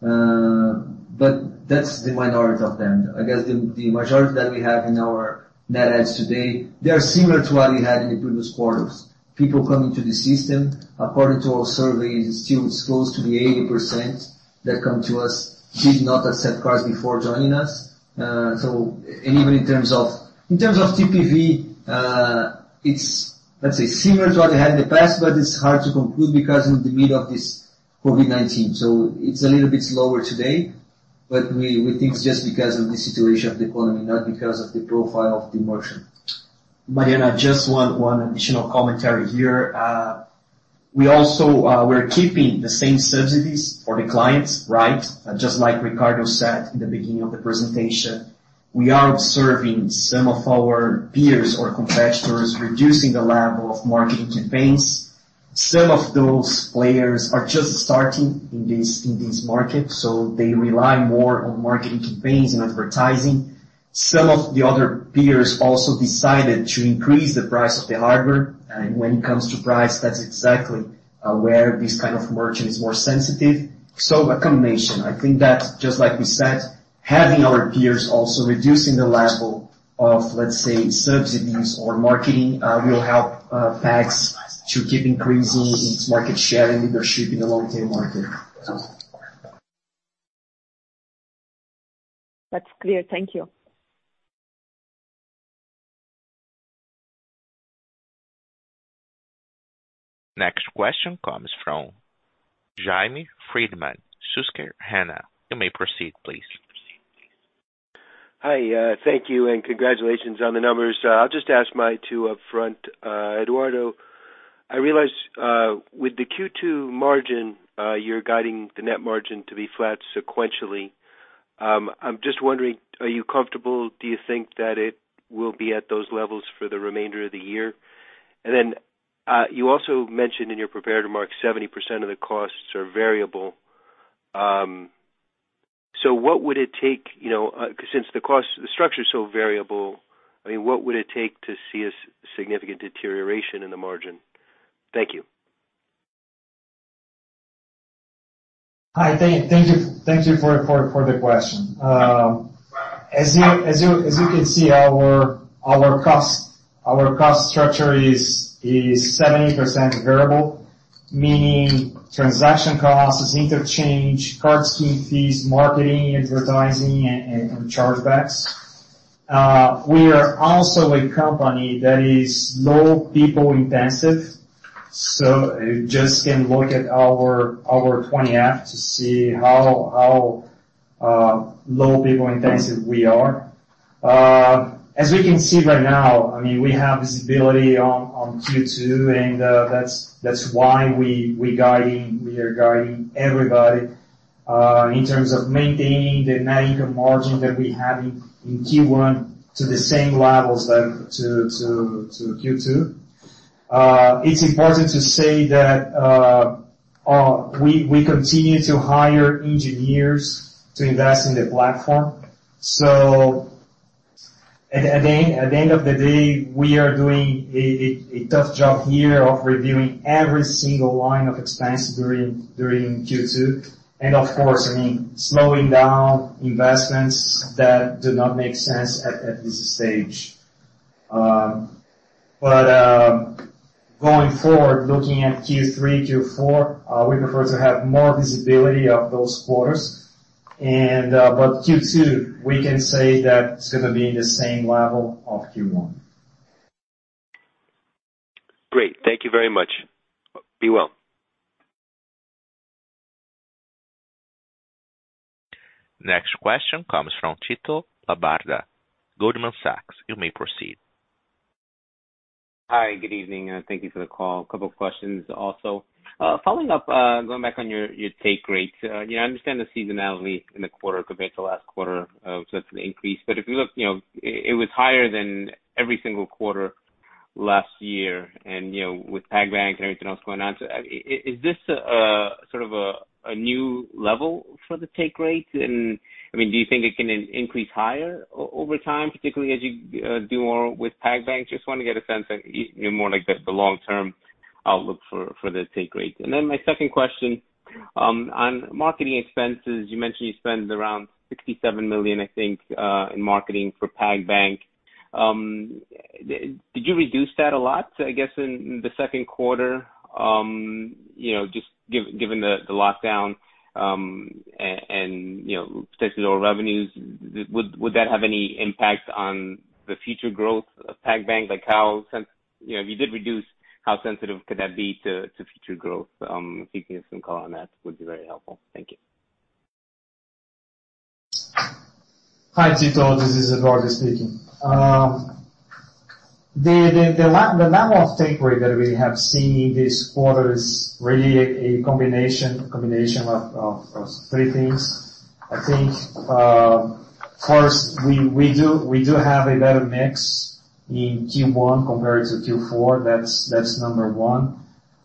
That's the minority of them. I guess the majority that we have in our net adds today, they are similar to what we had in the previous quarters. People coming to the system, according to our surveys, it's close to the 80% that come to us, did not accept cards before joining us. Even in terms of TPV, it's similar to what they had in the past, but it's hard to conclude because in the middle of this COVID-19. It's a little bit slower today, but we think it's just because of the situation of the economy, not because of the profile of the merchant. Mariana, just one additional commentary here. We're keeping the same subsidies for the clients. Just like Ricardo said in the beginning of the presentation. We are observing some of our peers or competitors reducing the level of marketing campaigns. Some of those players are just starting in this market, they rely more on marketing campaigns and advertising. Some of the other peers also decided to increase the price of the hardware. When it comes to price, that's exactly where this kind of merchant is more sensitive. A combination. I think that, just like we said, having our peers also reducing the level of, let's say, subsidies or marketing, will help PAGS to keep increasing its market share and leadership in the long-term market. That's clear. Thank you. Next question comes from Jamie Friedman, Susquehanna. You may proceed, please. Hi. Thank you, and congratulations on the numbers. I'll just ask my two up front. Eduardo, I realize with the Q2 margin, you're guiding the net margin to be flat sequentially. I'm just wondering, are you comfortable? Do you think that it will be at those levels for the remainder of the year? You also mentioned in your prepared remarks, 70% of the costs are variable. What would it take, since the structure is so variable, what would it take to see a significant deterioration in the margin? Thank you. Hi. Thank you for the question. As you can see, our cost structure is 70% variable, meaning transaction costs, interchange, card scheme fees, marketing, advertising, and chargebacks. We are also a company that is low people intensive. You just can look at our 20-F to see how low people intensive we are. As we can see right now, we have visibility on Q2, and that's why we are guiding everybody in terms of maintaining the net income margin that we have in Q1 to the same levels to Q2. It's important to say that we continue to hire engineers to invest in the platform. At the end of the day, we are doing a tough job here of reviewing every single line of expense during Q2. Of course, slowing down investments that do not make sense at this stage. Going forward, looking at Q3, Q4, we prefer to have more visibility of those quarters. Q2, we can say that it's going to be in the same level of Q1. Great. Thank you very much. Be well. Next question comes from Tito Labarta, Goldman Sachs. You may proceed. Hi, good evening, and thank you for the call. A couple questions also. Following up, going back on your take rate. I understand the seasonality in the quarter compared to last quarter, so that's an increase. If you look, it was higher than every single quarter last year and with PagBank and everything else going on. Is this sort of a new level for the take rate? Do you think it can increase higher over time, particularly as you do more with PagBank? Just want to get a sense of more like the long-term outlook for the take rate. My second question on marketing expenses. You mentioned you spend around 67 million, I think, in marketing for PagBank. Did you reduce that a lot, I guess, in the second quarter just given the lockdown and potentially lower revenues? Would that have any impact on the future growth of PagBank? If you did reduce, how sensitive could that be to future growth? If you can give some color on that, would be very helpful. Thank you. Hi, Tito. This is Eduardo speaking. The level of take rate that we have seen in this quarter is really a combination of three things. I think first, we do have a better mix in Q1 compared to Q4. That's number one.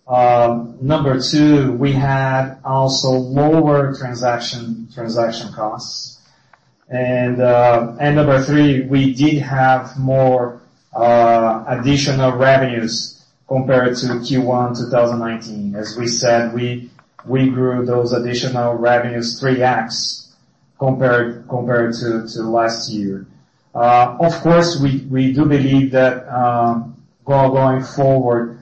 Number two, we had also lower transaction costs. Number three, we did have more additional revenues compared to Q1 2019. As we said, we grew those additional revenues 3x compared to last year. Of course, we do believe that going forward,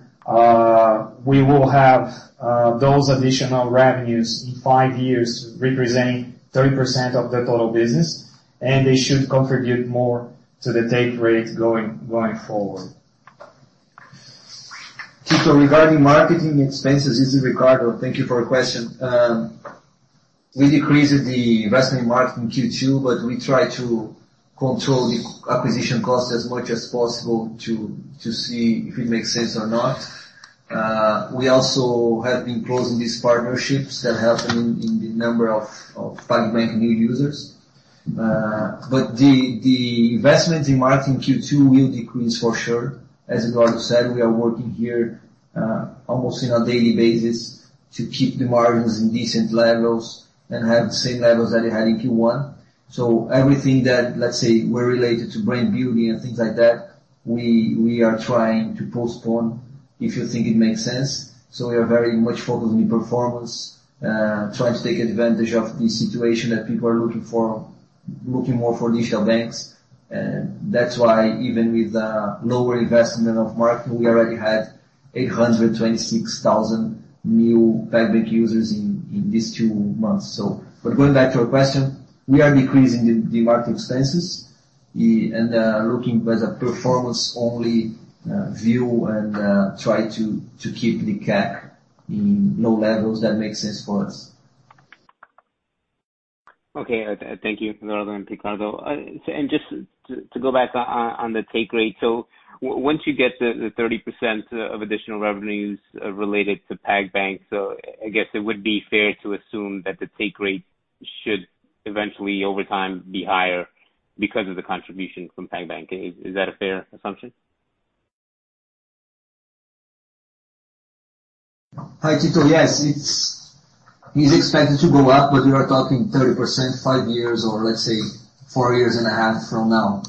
we will have those additional revenues in five years representing 30% of the total business, and they should contribute more to the take rate going forward. Tito, regarding marketing expenses, this is Ricardo. Thank you for your question. We decreased the investment in marketing in Q2, we try to control the acquisition cost as much as possible to see if it makes sense or not. We also have been closing these partnerships that help in the number of PagBank new users. The investments in marketing Q2 will decrease for sure. As Eduardo said, we are working here almost on a daily basis to keep the margins in decent levels and have the same levels that they had in Q1. Everything that, let's say, were related to brand building and things like that, we are trying to postpone if you think it makes sense. We are very much focused on the performance, trying to take advantage of the situation that people are looking more for digital banks. That's why even with lower investment of marketing, we already had 826,000 new PagBank users in these two months. Going back to your question, we are decreasing the marketing expenses and looking by the performance-only view and try to keep the CAC in low levels that make sense for us. Okay. Thank you, Eduardo and Ricardo. Just to go back on the take rate. Once you get the 30% of additional revenues related to PagBank, so I guess it would be fair to assume that the take rate should eventually over time be higher because of the contribution from PagBank. Is that a fair assumption? Hi, Tito. Yes. It's expected to go up. We are talking 30% five years or let's say four years and a half from now.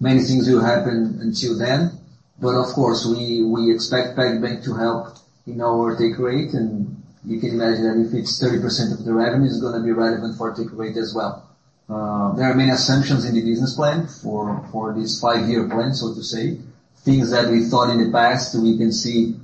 Many things will happen until then. Of course, we expect PagBank to help in our take rate, and you can imagine that if it's 30% of the revenue, it's going to be relevant for take rate as well. There are many assumptions in the business plan for this five-year plan, so to say. Things that we thought in the past, we can see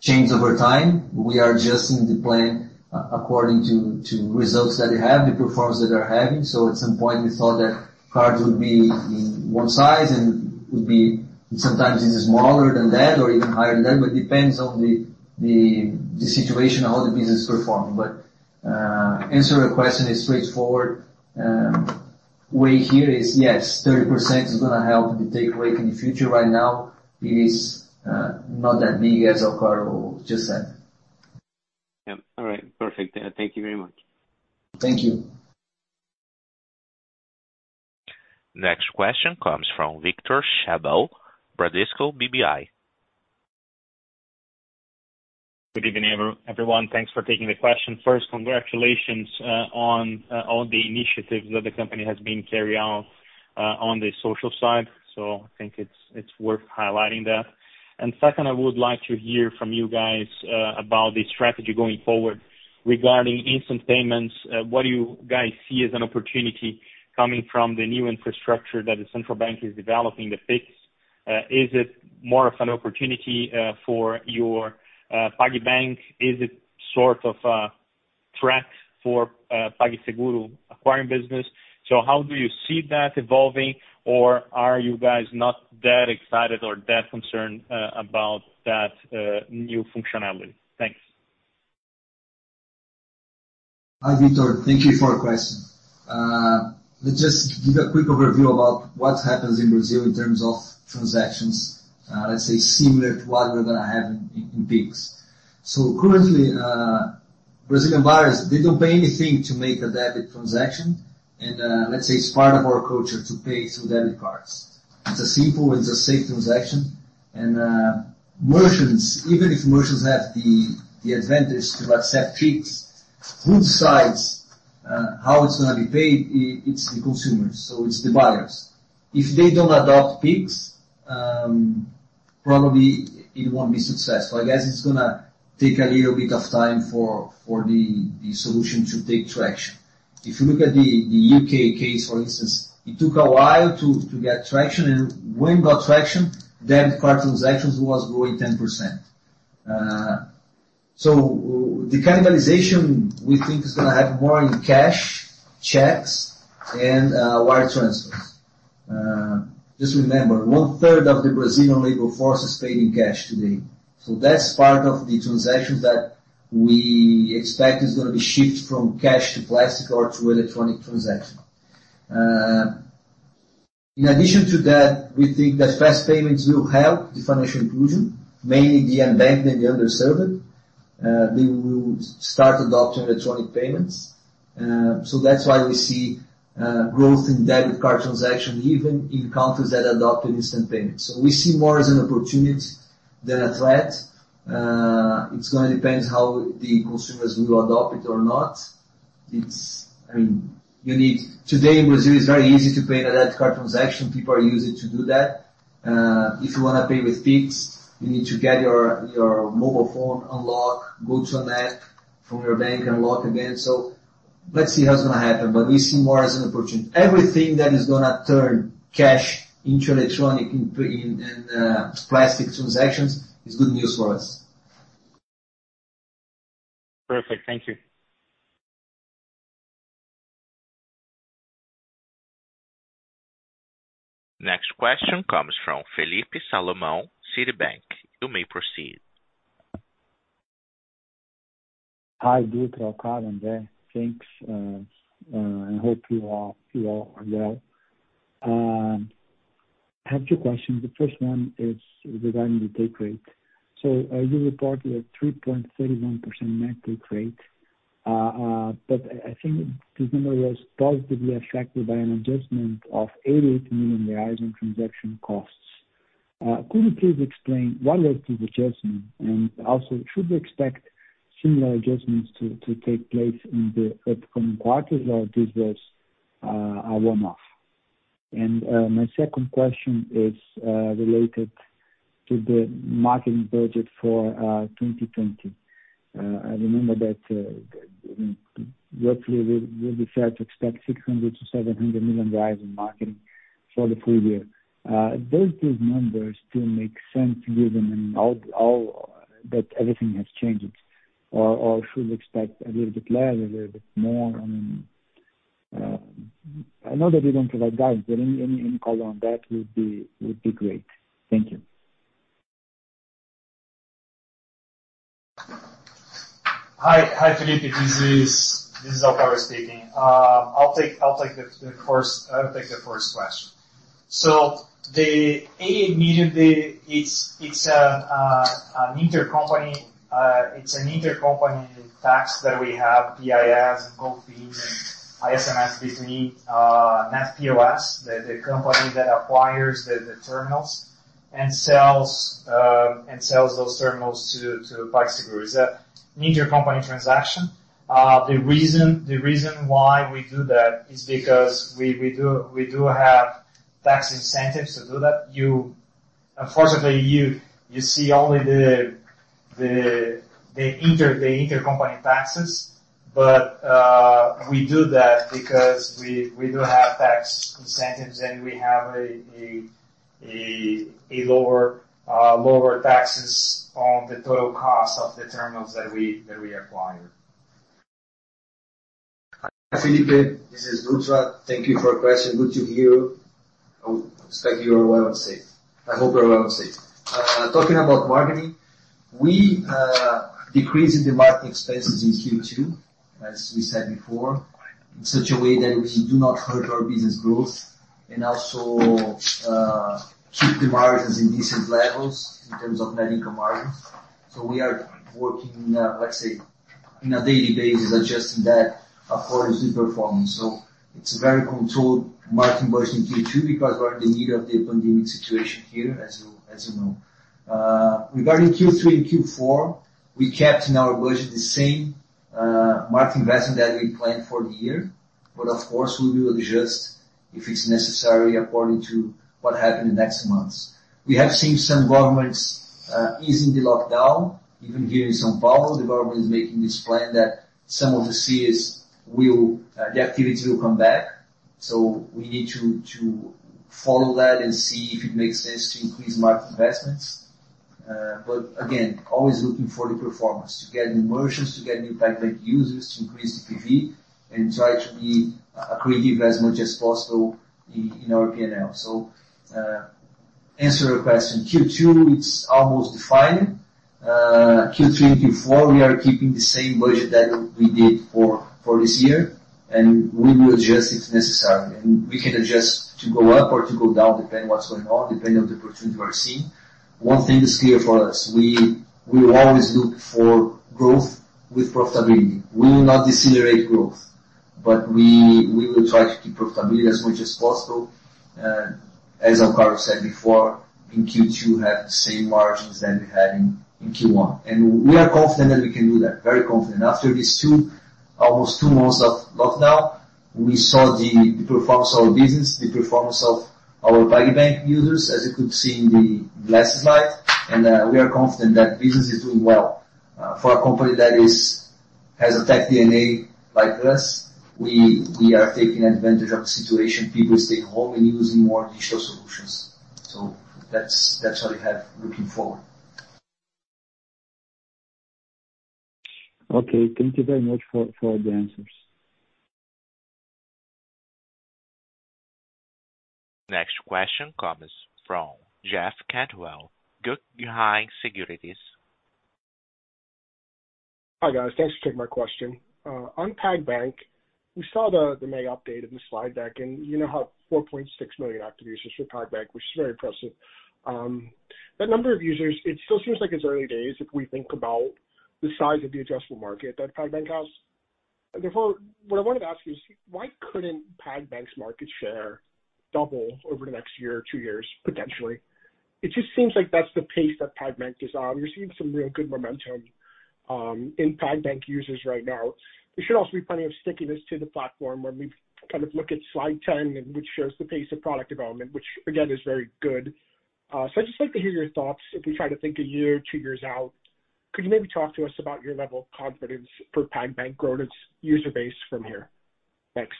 change over time. We are adjusting the plan according to results that we have, the performance that we're having. At some point, we thought that cards would be in one size and would be sometimes it is smaller than that or even higher than that. It depends on the situation and how the business perform. Answer your question is straightforward. Way here is yes, 30% is going to help the take rate in the future. Right now it is not that big as Ricardo just said. Yep. All right. Perfect. Thank you very much. Thank you. Next question comes from Victor Schabbel, Bradesco BBI. Good evening, everyone. Thanks for taking the question. First, congratulations on all the initiatives that the company has been carry out on the social side. I think it's worth highlighting that. Second, I would like to hear from you guys about the strategy going forward regarding instant payments. What do you guys see as an opportunity coming from the new infrastructure that the Central Bank is developing, the Pix? Is it more of an opportunity for your PagBank? Is it sort of a threat for PagSeguro acquiring business? How do you see that evolving, or are you guys not that excited or that concerned about that new functionality? Thanks. Hi, Victor. Thank you for your question. Let's just give a quick overview about what happens in Brazil in terms of transactions, let's say similar to what we're going to have in Pix. Currently, Brazilian buyers, they don't pay anything to make a debit transaction. Let's say it's part of our culture to pay through debit cards. It's a simple and a safe transaction. Merchants, even if merchants have the advantage to accept Pix, who decides how it's going to be paid, it's the consumers. It's the buyers. If they don't adopt Pix, probably it won't be successful. I guess it's going to take a little bit of time for the solution to take traction. If you look at the U.K. case, for instance, it took a while to get traction, and when it got traction, debit card transactions was growing 10%. The cannibalization we think is going to have more in cash, checks, and wire transfers. Remember, 1/3 of the Brazilian labor force is paid in cash today. That's part of the transactions that we expect is going to be shift from cash to plastic or to electronic transaction. In addition to that, we think that fast payments will help the financial inclusion, mainly the unbanked and the underserved. They will start adopting electronic payments. That's why we see growth in debit card transaction even in countries that adopted instant payments. We see more as an opportunity than a threat. It's going to depend how the consumers will adopt it or not. Today, in Brazil, it's very easy to pay a debit card transaction. People are used to do that. If you want to pay with Pix, you need to get your mobile phone unlocked, go to an app from your bank, and unlock again. Let's see how it's going to happen, but we see more as an opportunity. Everything that is going to turn cash into electronic and plastic transactions is good news for us. Perfect. Thank you. Next question comes from Felipe Salomão, Citibank. You may proceed. Hi, Dutra, Eduardo and Andre. Thanks. I hope you all are well. I have two questions. The first one is regarding the take rate. You reported a 3.31% net take rate, but I think this number was positively affected by an adjustment of 88 million reais in transaction costs. Could you please explain what was this adjustment, also should we expect similar adjustments to take place in the upcoming quarters, or this was a one-off? My second question is related to the marketing budget for 2020. I remember that roughly we'll be fair to expect 600 million-700 million in marketing for the full year. Do those numbers still make sense given that everything has changed? Should we expect a little bit less, a little bit more? I know that you don't provide guidance, any color on that would be great. Thank you. Hi, Felipe. This is Eduardo speaking. I'll take the first question. The BRL 88 million, it's an intercompany tax that we have, PIS and COFINS and ICMS between NetPOS, the company that acquires the terminals and sells those terminals to PagSeguro. It's an intercompany transaction. The reason why we do that is because we do have tax incentives to do that. Unfortunately, you see only the intercompany taxes. We do that because we do have tax incentives, and we have lower taxes on the total cost of the terminals that we acquire. Hi, Felipe. This is Dutra. Thank you for your question. Good to hear you. I hope you are well and safe. Talking about marketing, we decreased the marketing expenses in Q2, as we said before, in such a way that we do not hurt our business growth and also keep the margins in decent levels in terms of net income margins. We are working, let's say, on a daily basis adjusting that according to performance. It's a very controlled marketing budget in Q2 because we're in the middle of the pandemic situation here, as you know. Regarding Q3 and Q4, we kept our budget the same marketing investment that we planned for the year. Of course, we will adjust if it's necessary according to what happens in the next months. We have seen some governments easing the lockdown. Even here in São Paulo, the government is making this plan that some of the cities. The activity will come back. We need to follow that and see if it makes sense to increase marketing investments. Again, always looking for the performance to get new merchants, to get new PagBank users, to increase the TPV and try to be accretive as much as possible in our P&L. Answer your question, Q2 it's almost defined. Q3 and Q4, we are keeping the same budget that we did for this year, and we will adjust if necessary. We can adjust to go up or to go down, depending what's going on, depending on the opportunity we are seeing. One thing is clear for us, we will always look for growth with profitability. We will not decelerate growth, but we will try to keep profitability as much as possible. As Eduardo said before, in Q2 have the same margins that we had in Q1. We are confident that we can do that, very confident. After these almost two months of lockdown, we saw the performance of the business, the performance of our PagBank users, as you could see in the last slide. We are confident that business is doing well. For a company that has a tech DNA like us, we are taking advantage of the situation. People are staying home and using more digital solutions. That's what we have looking forward. Okay. Thank you very much for the answers. Next question comes from Jeff Cantwell, Guggenheim Securities. Hi, guys. Thanks for taking my question. On PagBank, we saw the May update of the slide deck, and you now have 4.6 million active users for PagBank, which is very impressive. That number of users, it still seems like it's early days if we think about the size of the addressable market that PagBank has. Therefore, what I wanted to ask you is, why couldn't PagBank's market share double over the next year or two years, potentially? It just seems like that's the pace that PagBank is on. You're seeing some real good momentum in PagBank users right now. There should also be plenty of stickiness to the platform when we've kind of look at slide 10 and which shows the pace of product development, which again, is very good. I'd just like to hear your thoughts if we try to think a year, two years out, could you maybe talk to us about your level of confidence for PagBank growing its user base from here? Thanks.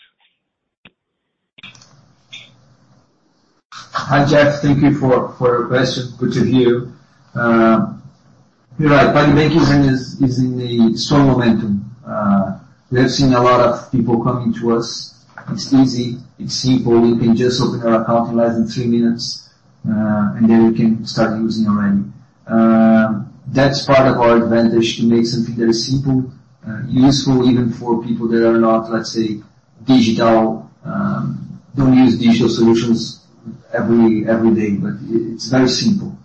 Hi, Jeff. Thank you for your question. Good to hear you. You're right, PagBank user is in the strong momentum. We have seen a lot of people coming to us. It's easy, it's simple. You can just open your account in less than three minutes, and then you can start using already. That's part of our advantage to make something very simple, useful even for people that are not, let's say, digital, don't use digital solutions every day, but it's very simple.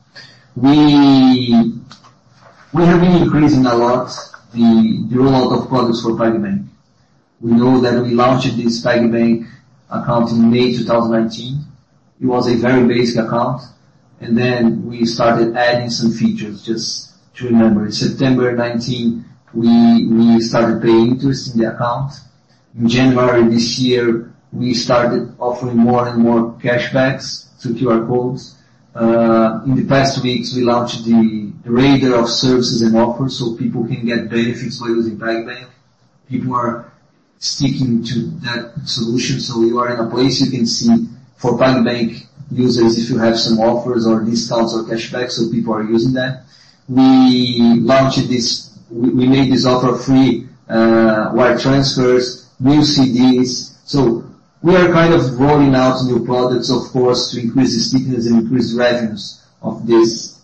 We have been increasing a lot the rollout of products for PagBank. We know that we launched this PagBank account in May 2019. It was a very basic account, and then we started adding some features. Just to remember, in September 2019, we started paying interest in the account. In January this year, we started offering more and more cash backs through QR codes. In the past weeks, we launched the radar of services and offers so people can get benefits by using PagBank. People are sticking to that solution, we are in a place you can see for PagBank users if you have some offers or discounts or cash back, people are using that. We made this offer free, wire transfers, new CDs. We are kind of rolling out new products, of course, to increase the stickiness and increase revenues of these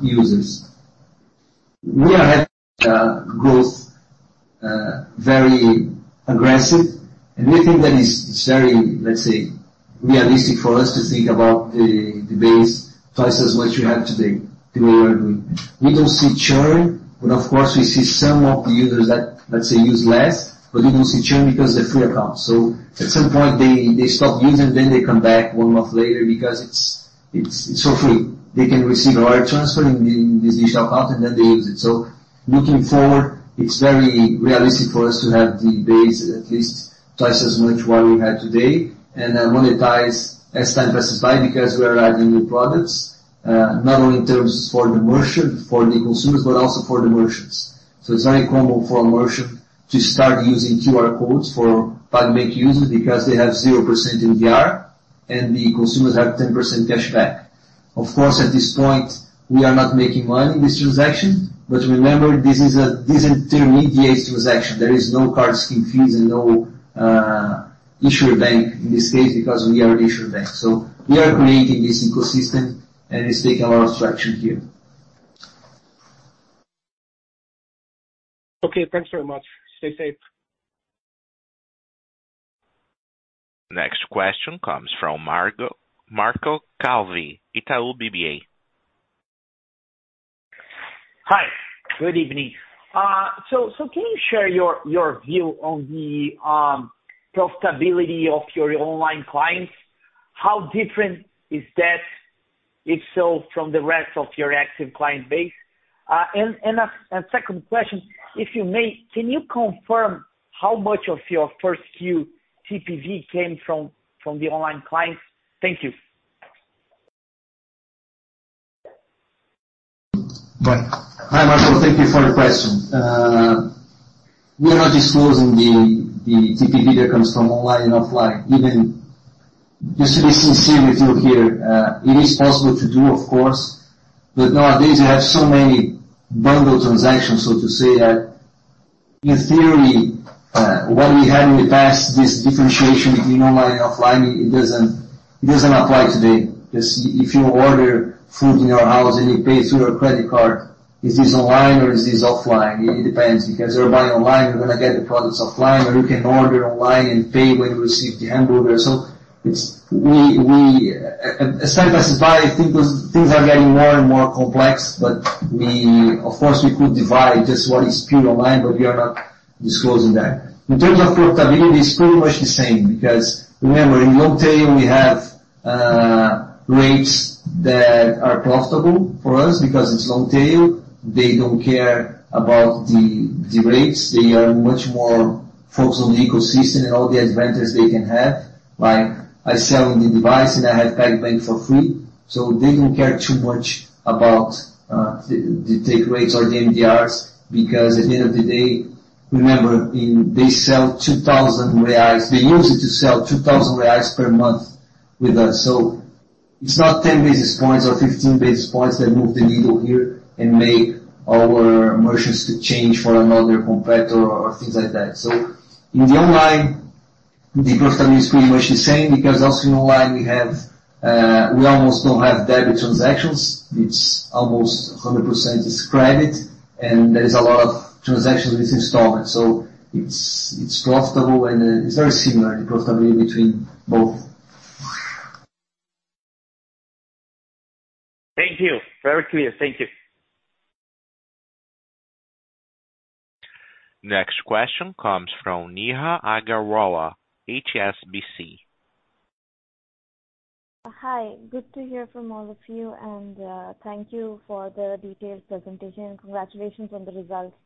users. We are having growth very aggressive, and we think that it's very, let's say, realistic for us to think about the base twice as what we have today, the way we are doing. We don't see churn, but of course, we see some of the users that, let's say, use less, but we don't see churn because they're free accounts. At some point they stop using, then they come back one month later because it's so free. They can receive a wire transfer in this digital account, and then they use it. Looking forward, it's very realistic for us to have the base at least twice as much what we have today and monetize as time passes by because we are adding new products, not only in terms for the merchant, for the consumers, but also for the merchants. It's very combo for a merchant to start using QR codes for PagBank users because they have 0% MDR and the consumers have 10% cash back. Of course, at this point, we are not making money in this transaction, but remember, this is a disintermediate transaction. There is no card scheme fees and no issuer bank in this case because we are an issuer bank. We are creating this ecosystem, and it's taking a lot of traction here. Okay, thanks very much. Stay safe. Next question comes from Marco Calvi, Itaú BBA. Hi, good evening. Can you share your view on the profitability of your online clients? How different is that, if so, from the rest of your active client base? Second question, if you may, can you confirm how much of your first Q TPV came from the online clients? Thank you. Hi, Marco. Thank you for your question. We are not disclosing the TPV that comes from online and offline. Just to be sincere with you here, it is possible to do, of course, but nowadays you have so many bundled transactions, so to say, that in theory, what we had in the past, this differentiation between online and offline, it doesn't apply today. If you order food in your house and you pay through your credit card, is this online or is this offline? It depends, because you're buying online, you're going to get the products offline, or you can order online and pay when you receive the hamburger. As time passes by, things are getting more and more complex, but of course, we could divide just what is pure online, but we are not disclosing that. In terms of profitability, it's pretty much the same. Remember, in long tail we have rates that are profitable for us because it's long tail. They don't care about the rates. They are much more focused on the ecosystem and all the advantages they can have. Like I sell the device and I have PagBank for free, so they don't care too much about the take rates or the MDRs, because at the end of the day, remember, they use it to sell 2,000 reais per month with us. It's not 10 basis points or 15 basis points that move the needle here and make our merchants to change for another competitor or things like that. In the online, the profitability is pretty much the same, because also in online we almost don't have debit transactions. It's almost 100% is credit, and there is a lot of transactions with installments. It's profitable and it's very similar, the profitability between both. Thank you. Very clear. Thank you. Next question comes from Neha Agarwala, HSBC. Hi, good to hear from all of you, and thank you for the detailed presentation. Congratulations on the results.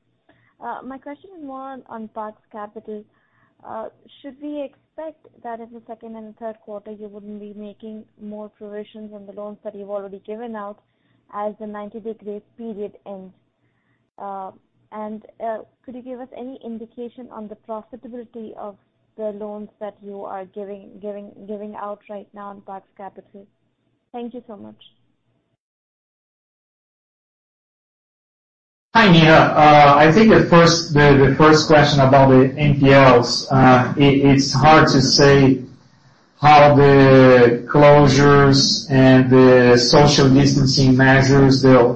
My question is more on PagX Capital. Should we expect that in the second and third quarter, you wouldn't be making more provisions on the loans that you've already given out as the 90-day grace period ends? Could you give us any indication on the profitability of the loans that you are giving out right now on PagX Capital? Thank you so much. Hi, Neha. I think the first question about the NPLs, it's hard to say how the closures and the social distancing measures they'll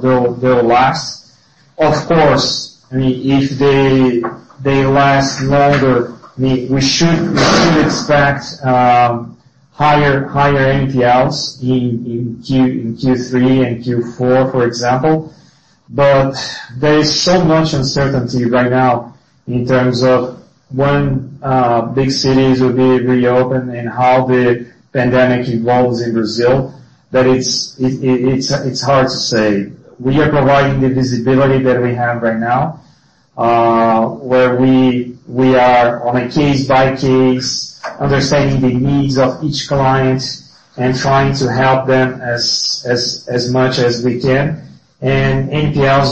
last. Of course, if they last longer, we should expect higher NPLs in Q3 and Q4, for example. There is so much uncertainty right now in terms of when big cities will be reopened and how the pandemic evolves in Brazil that it's hard to say. We are providing the visibility that we have right now, where we are on a case by case, understanding the needs of each client and trying to help them as much as we can. NPLs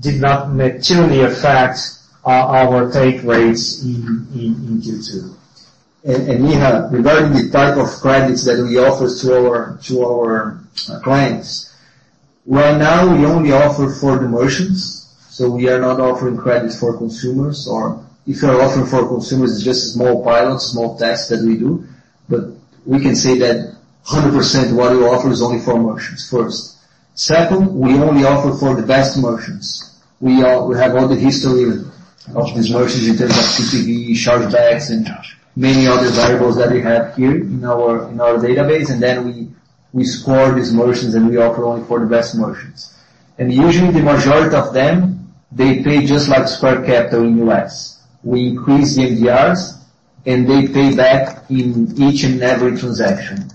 did not materially affect our take rates in Q2. Neha, regarding the type of credits that we offer to our clients, right now we only offer for the merchants, so we are not offering credits for consumers. If we are offering for consumers, it's just a small pilot, small test that we do, but we can say that 100% what we offer is only for merchants, first. Second, we only offer for the best merchants. We have all the history of these merchants in terms of TPV, chargebacks, and many other variables that we have here in our database, and then we score these merchants and we offer only for the best merchants. Usually the majority of them, they pay just like Square Capital in U.S. We increase the MDRs and they pay back in each and every transaction.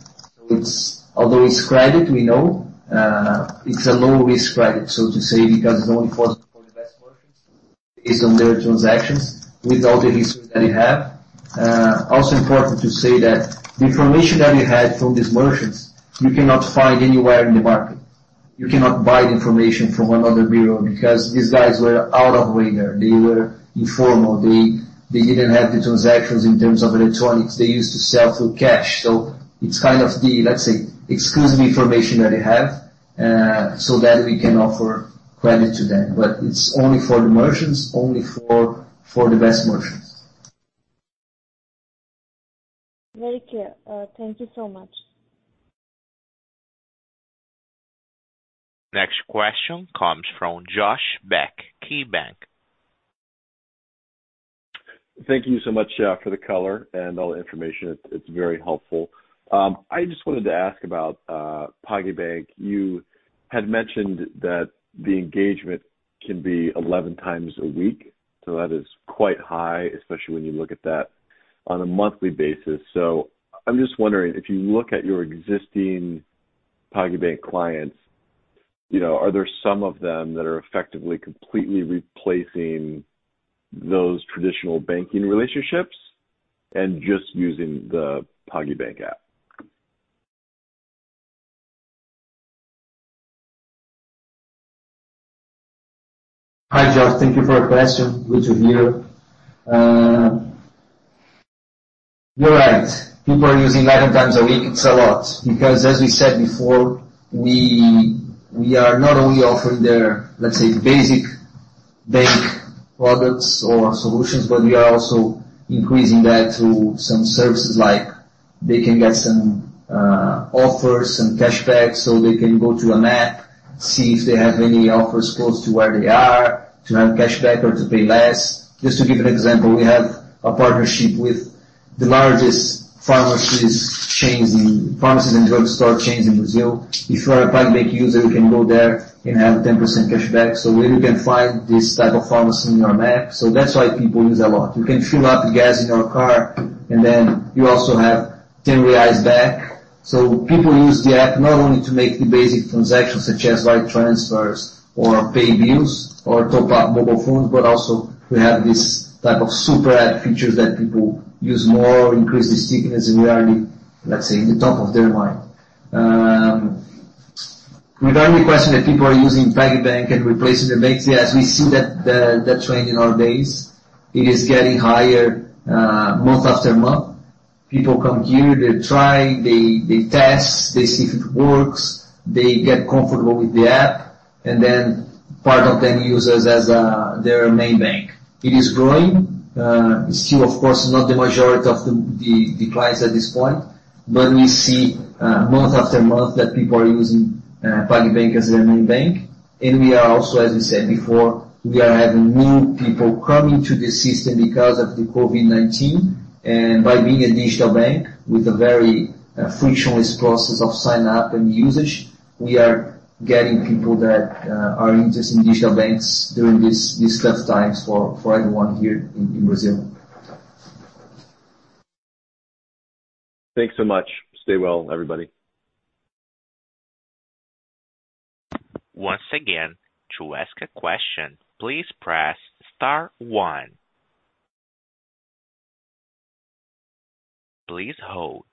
Although it's credit, we know it's a low risk credit, so to say, because it's only possible for the best merchants based on their transactions with all the history that we have. Important to say that the information that we have from these merchants, you cannot find anywhere in the market. You cannot buy the information from another bureau because these guys were out of radar. They were informal. They didn't have the transactions in terms of electronics. They used to sell through cash. It's kind of the, let's say, exclusive information that we have, so that we can offer credit to them. It's only for the merchants, only for the best merchants. Very clear. Thank you so much. Next question comes from Josh Beck, KeyBanc. Thank you so much for the color and all the information. It's very helpful. I just wanted to ask about PagBank. You had mentioned that the engagement can be 11 times a week, that is quite high, especially when you look at that on a monthly basis. I'm just wondering, if you look at your existing PagBank clients, are there some of them that are effectively completely replacing those traditional banking relationships and just using the PagBank app? Hi, Josh. Thank you for your question. Good to hear. You're right. People are using 11 times a week. It's a lot because as we said before, we are not only offering their, let's say, basic bank products or solutions, but we are also increasing that through some services like they can get some offers, some cash back, so they can go to a map, see if they have any offers close to where they are to have cash back or to pay less. Just to give you an example, we have a partnership with the largest pharmacies and drugstore chains in Brazil. If you are a PagBank user, you can go there and have 10% cash back. Where you can find this type of pharmacy on your map? That's why people use a lot. You can fill up gas in your car and then you also have 10 reais back. People use the app not only to make the basic transactions such as wire transfers or pay bills or top up mobile phones, but also we have this type of super app features that people use more, increase the stickiness, and we are in, let's say, in the top of their mind. Regarding the question that people are using PagBank and replacing the banks, yes, we see that trend in our days. It is getting higher month after month. People come here, they try, they test, they see if it works, they get comfortable with the app, and then part of them use us as their main bank. It is growing. Still, of course, not the majority of the clients at this point. We see month after month that people are using PagBank as their main bank. We are also, as we said before, we are having new people coming to the system because of the COVID-19. By being a digital bank with a very frictionless process of sign up and usage, we are getting people that are interested in digital banks during these tough times for everyone here in Brazil. Thanks so much. Stay well, everybody. Once again, to ask a question, please press star one. Please hold.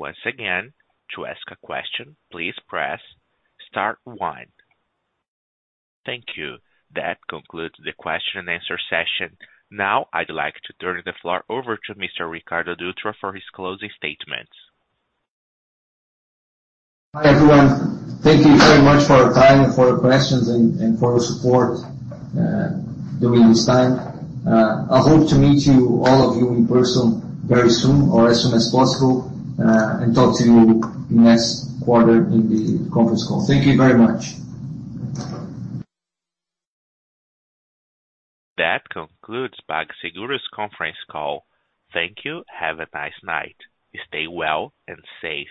Once again, to ask a question, please press star one. Thank you. That concludes the question and answer session. Now I'd like to turn the floor over to Mr. Ricardo Dutra for his closing statements. Hi, everyone. Thank you very much for your time, for your questions, and for your support during this time. I hope to meet you, all of you in person very soon or as soon as possible and talk to you next quarter in the conference call. Thank you very much. That concludes PagSeguro's conference call. Thank you. Have a nice night. Stay well and safe.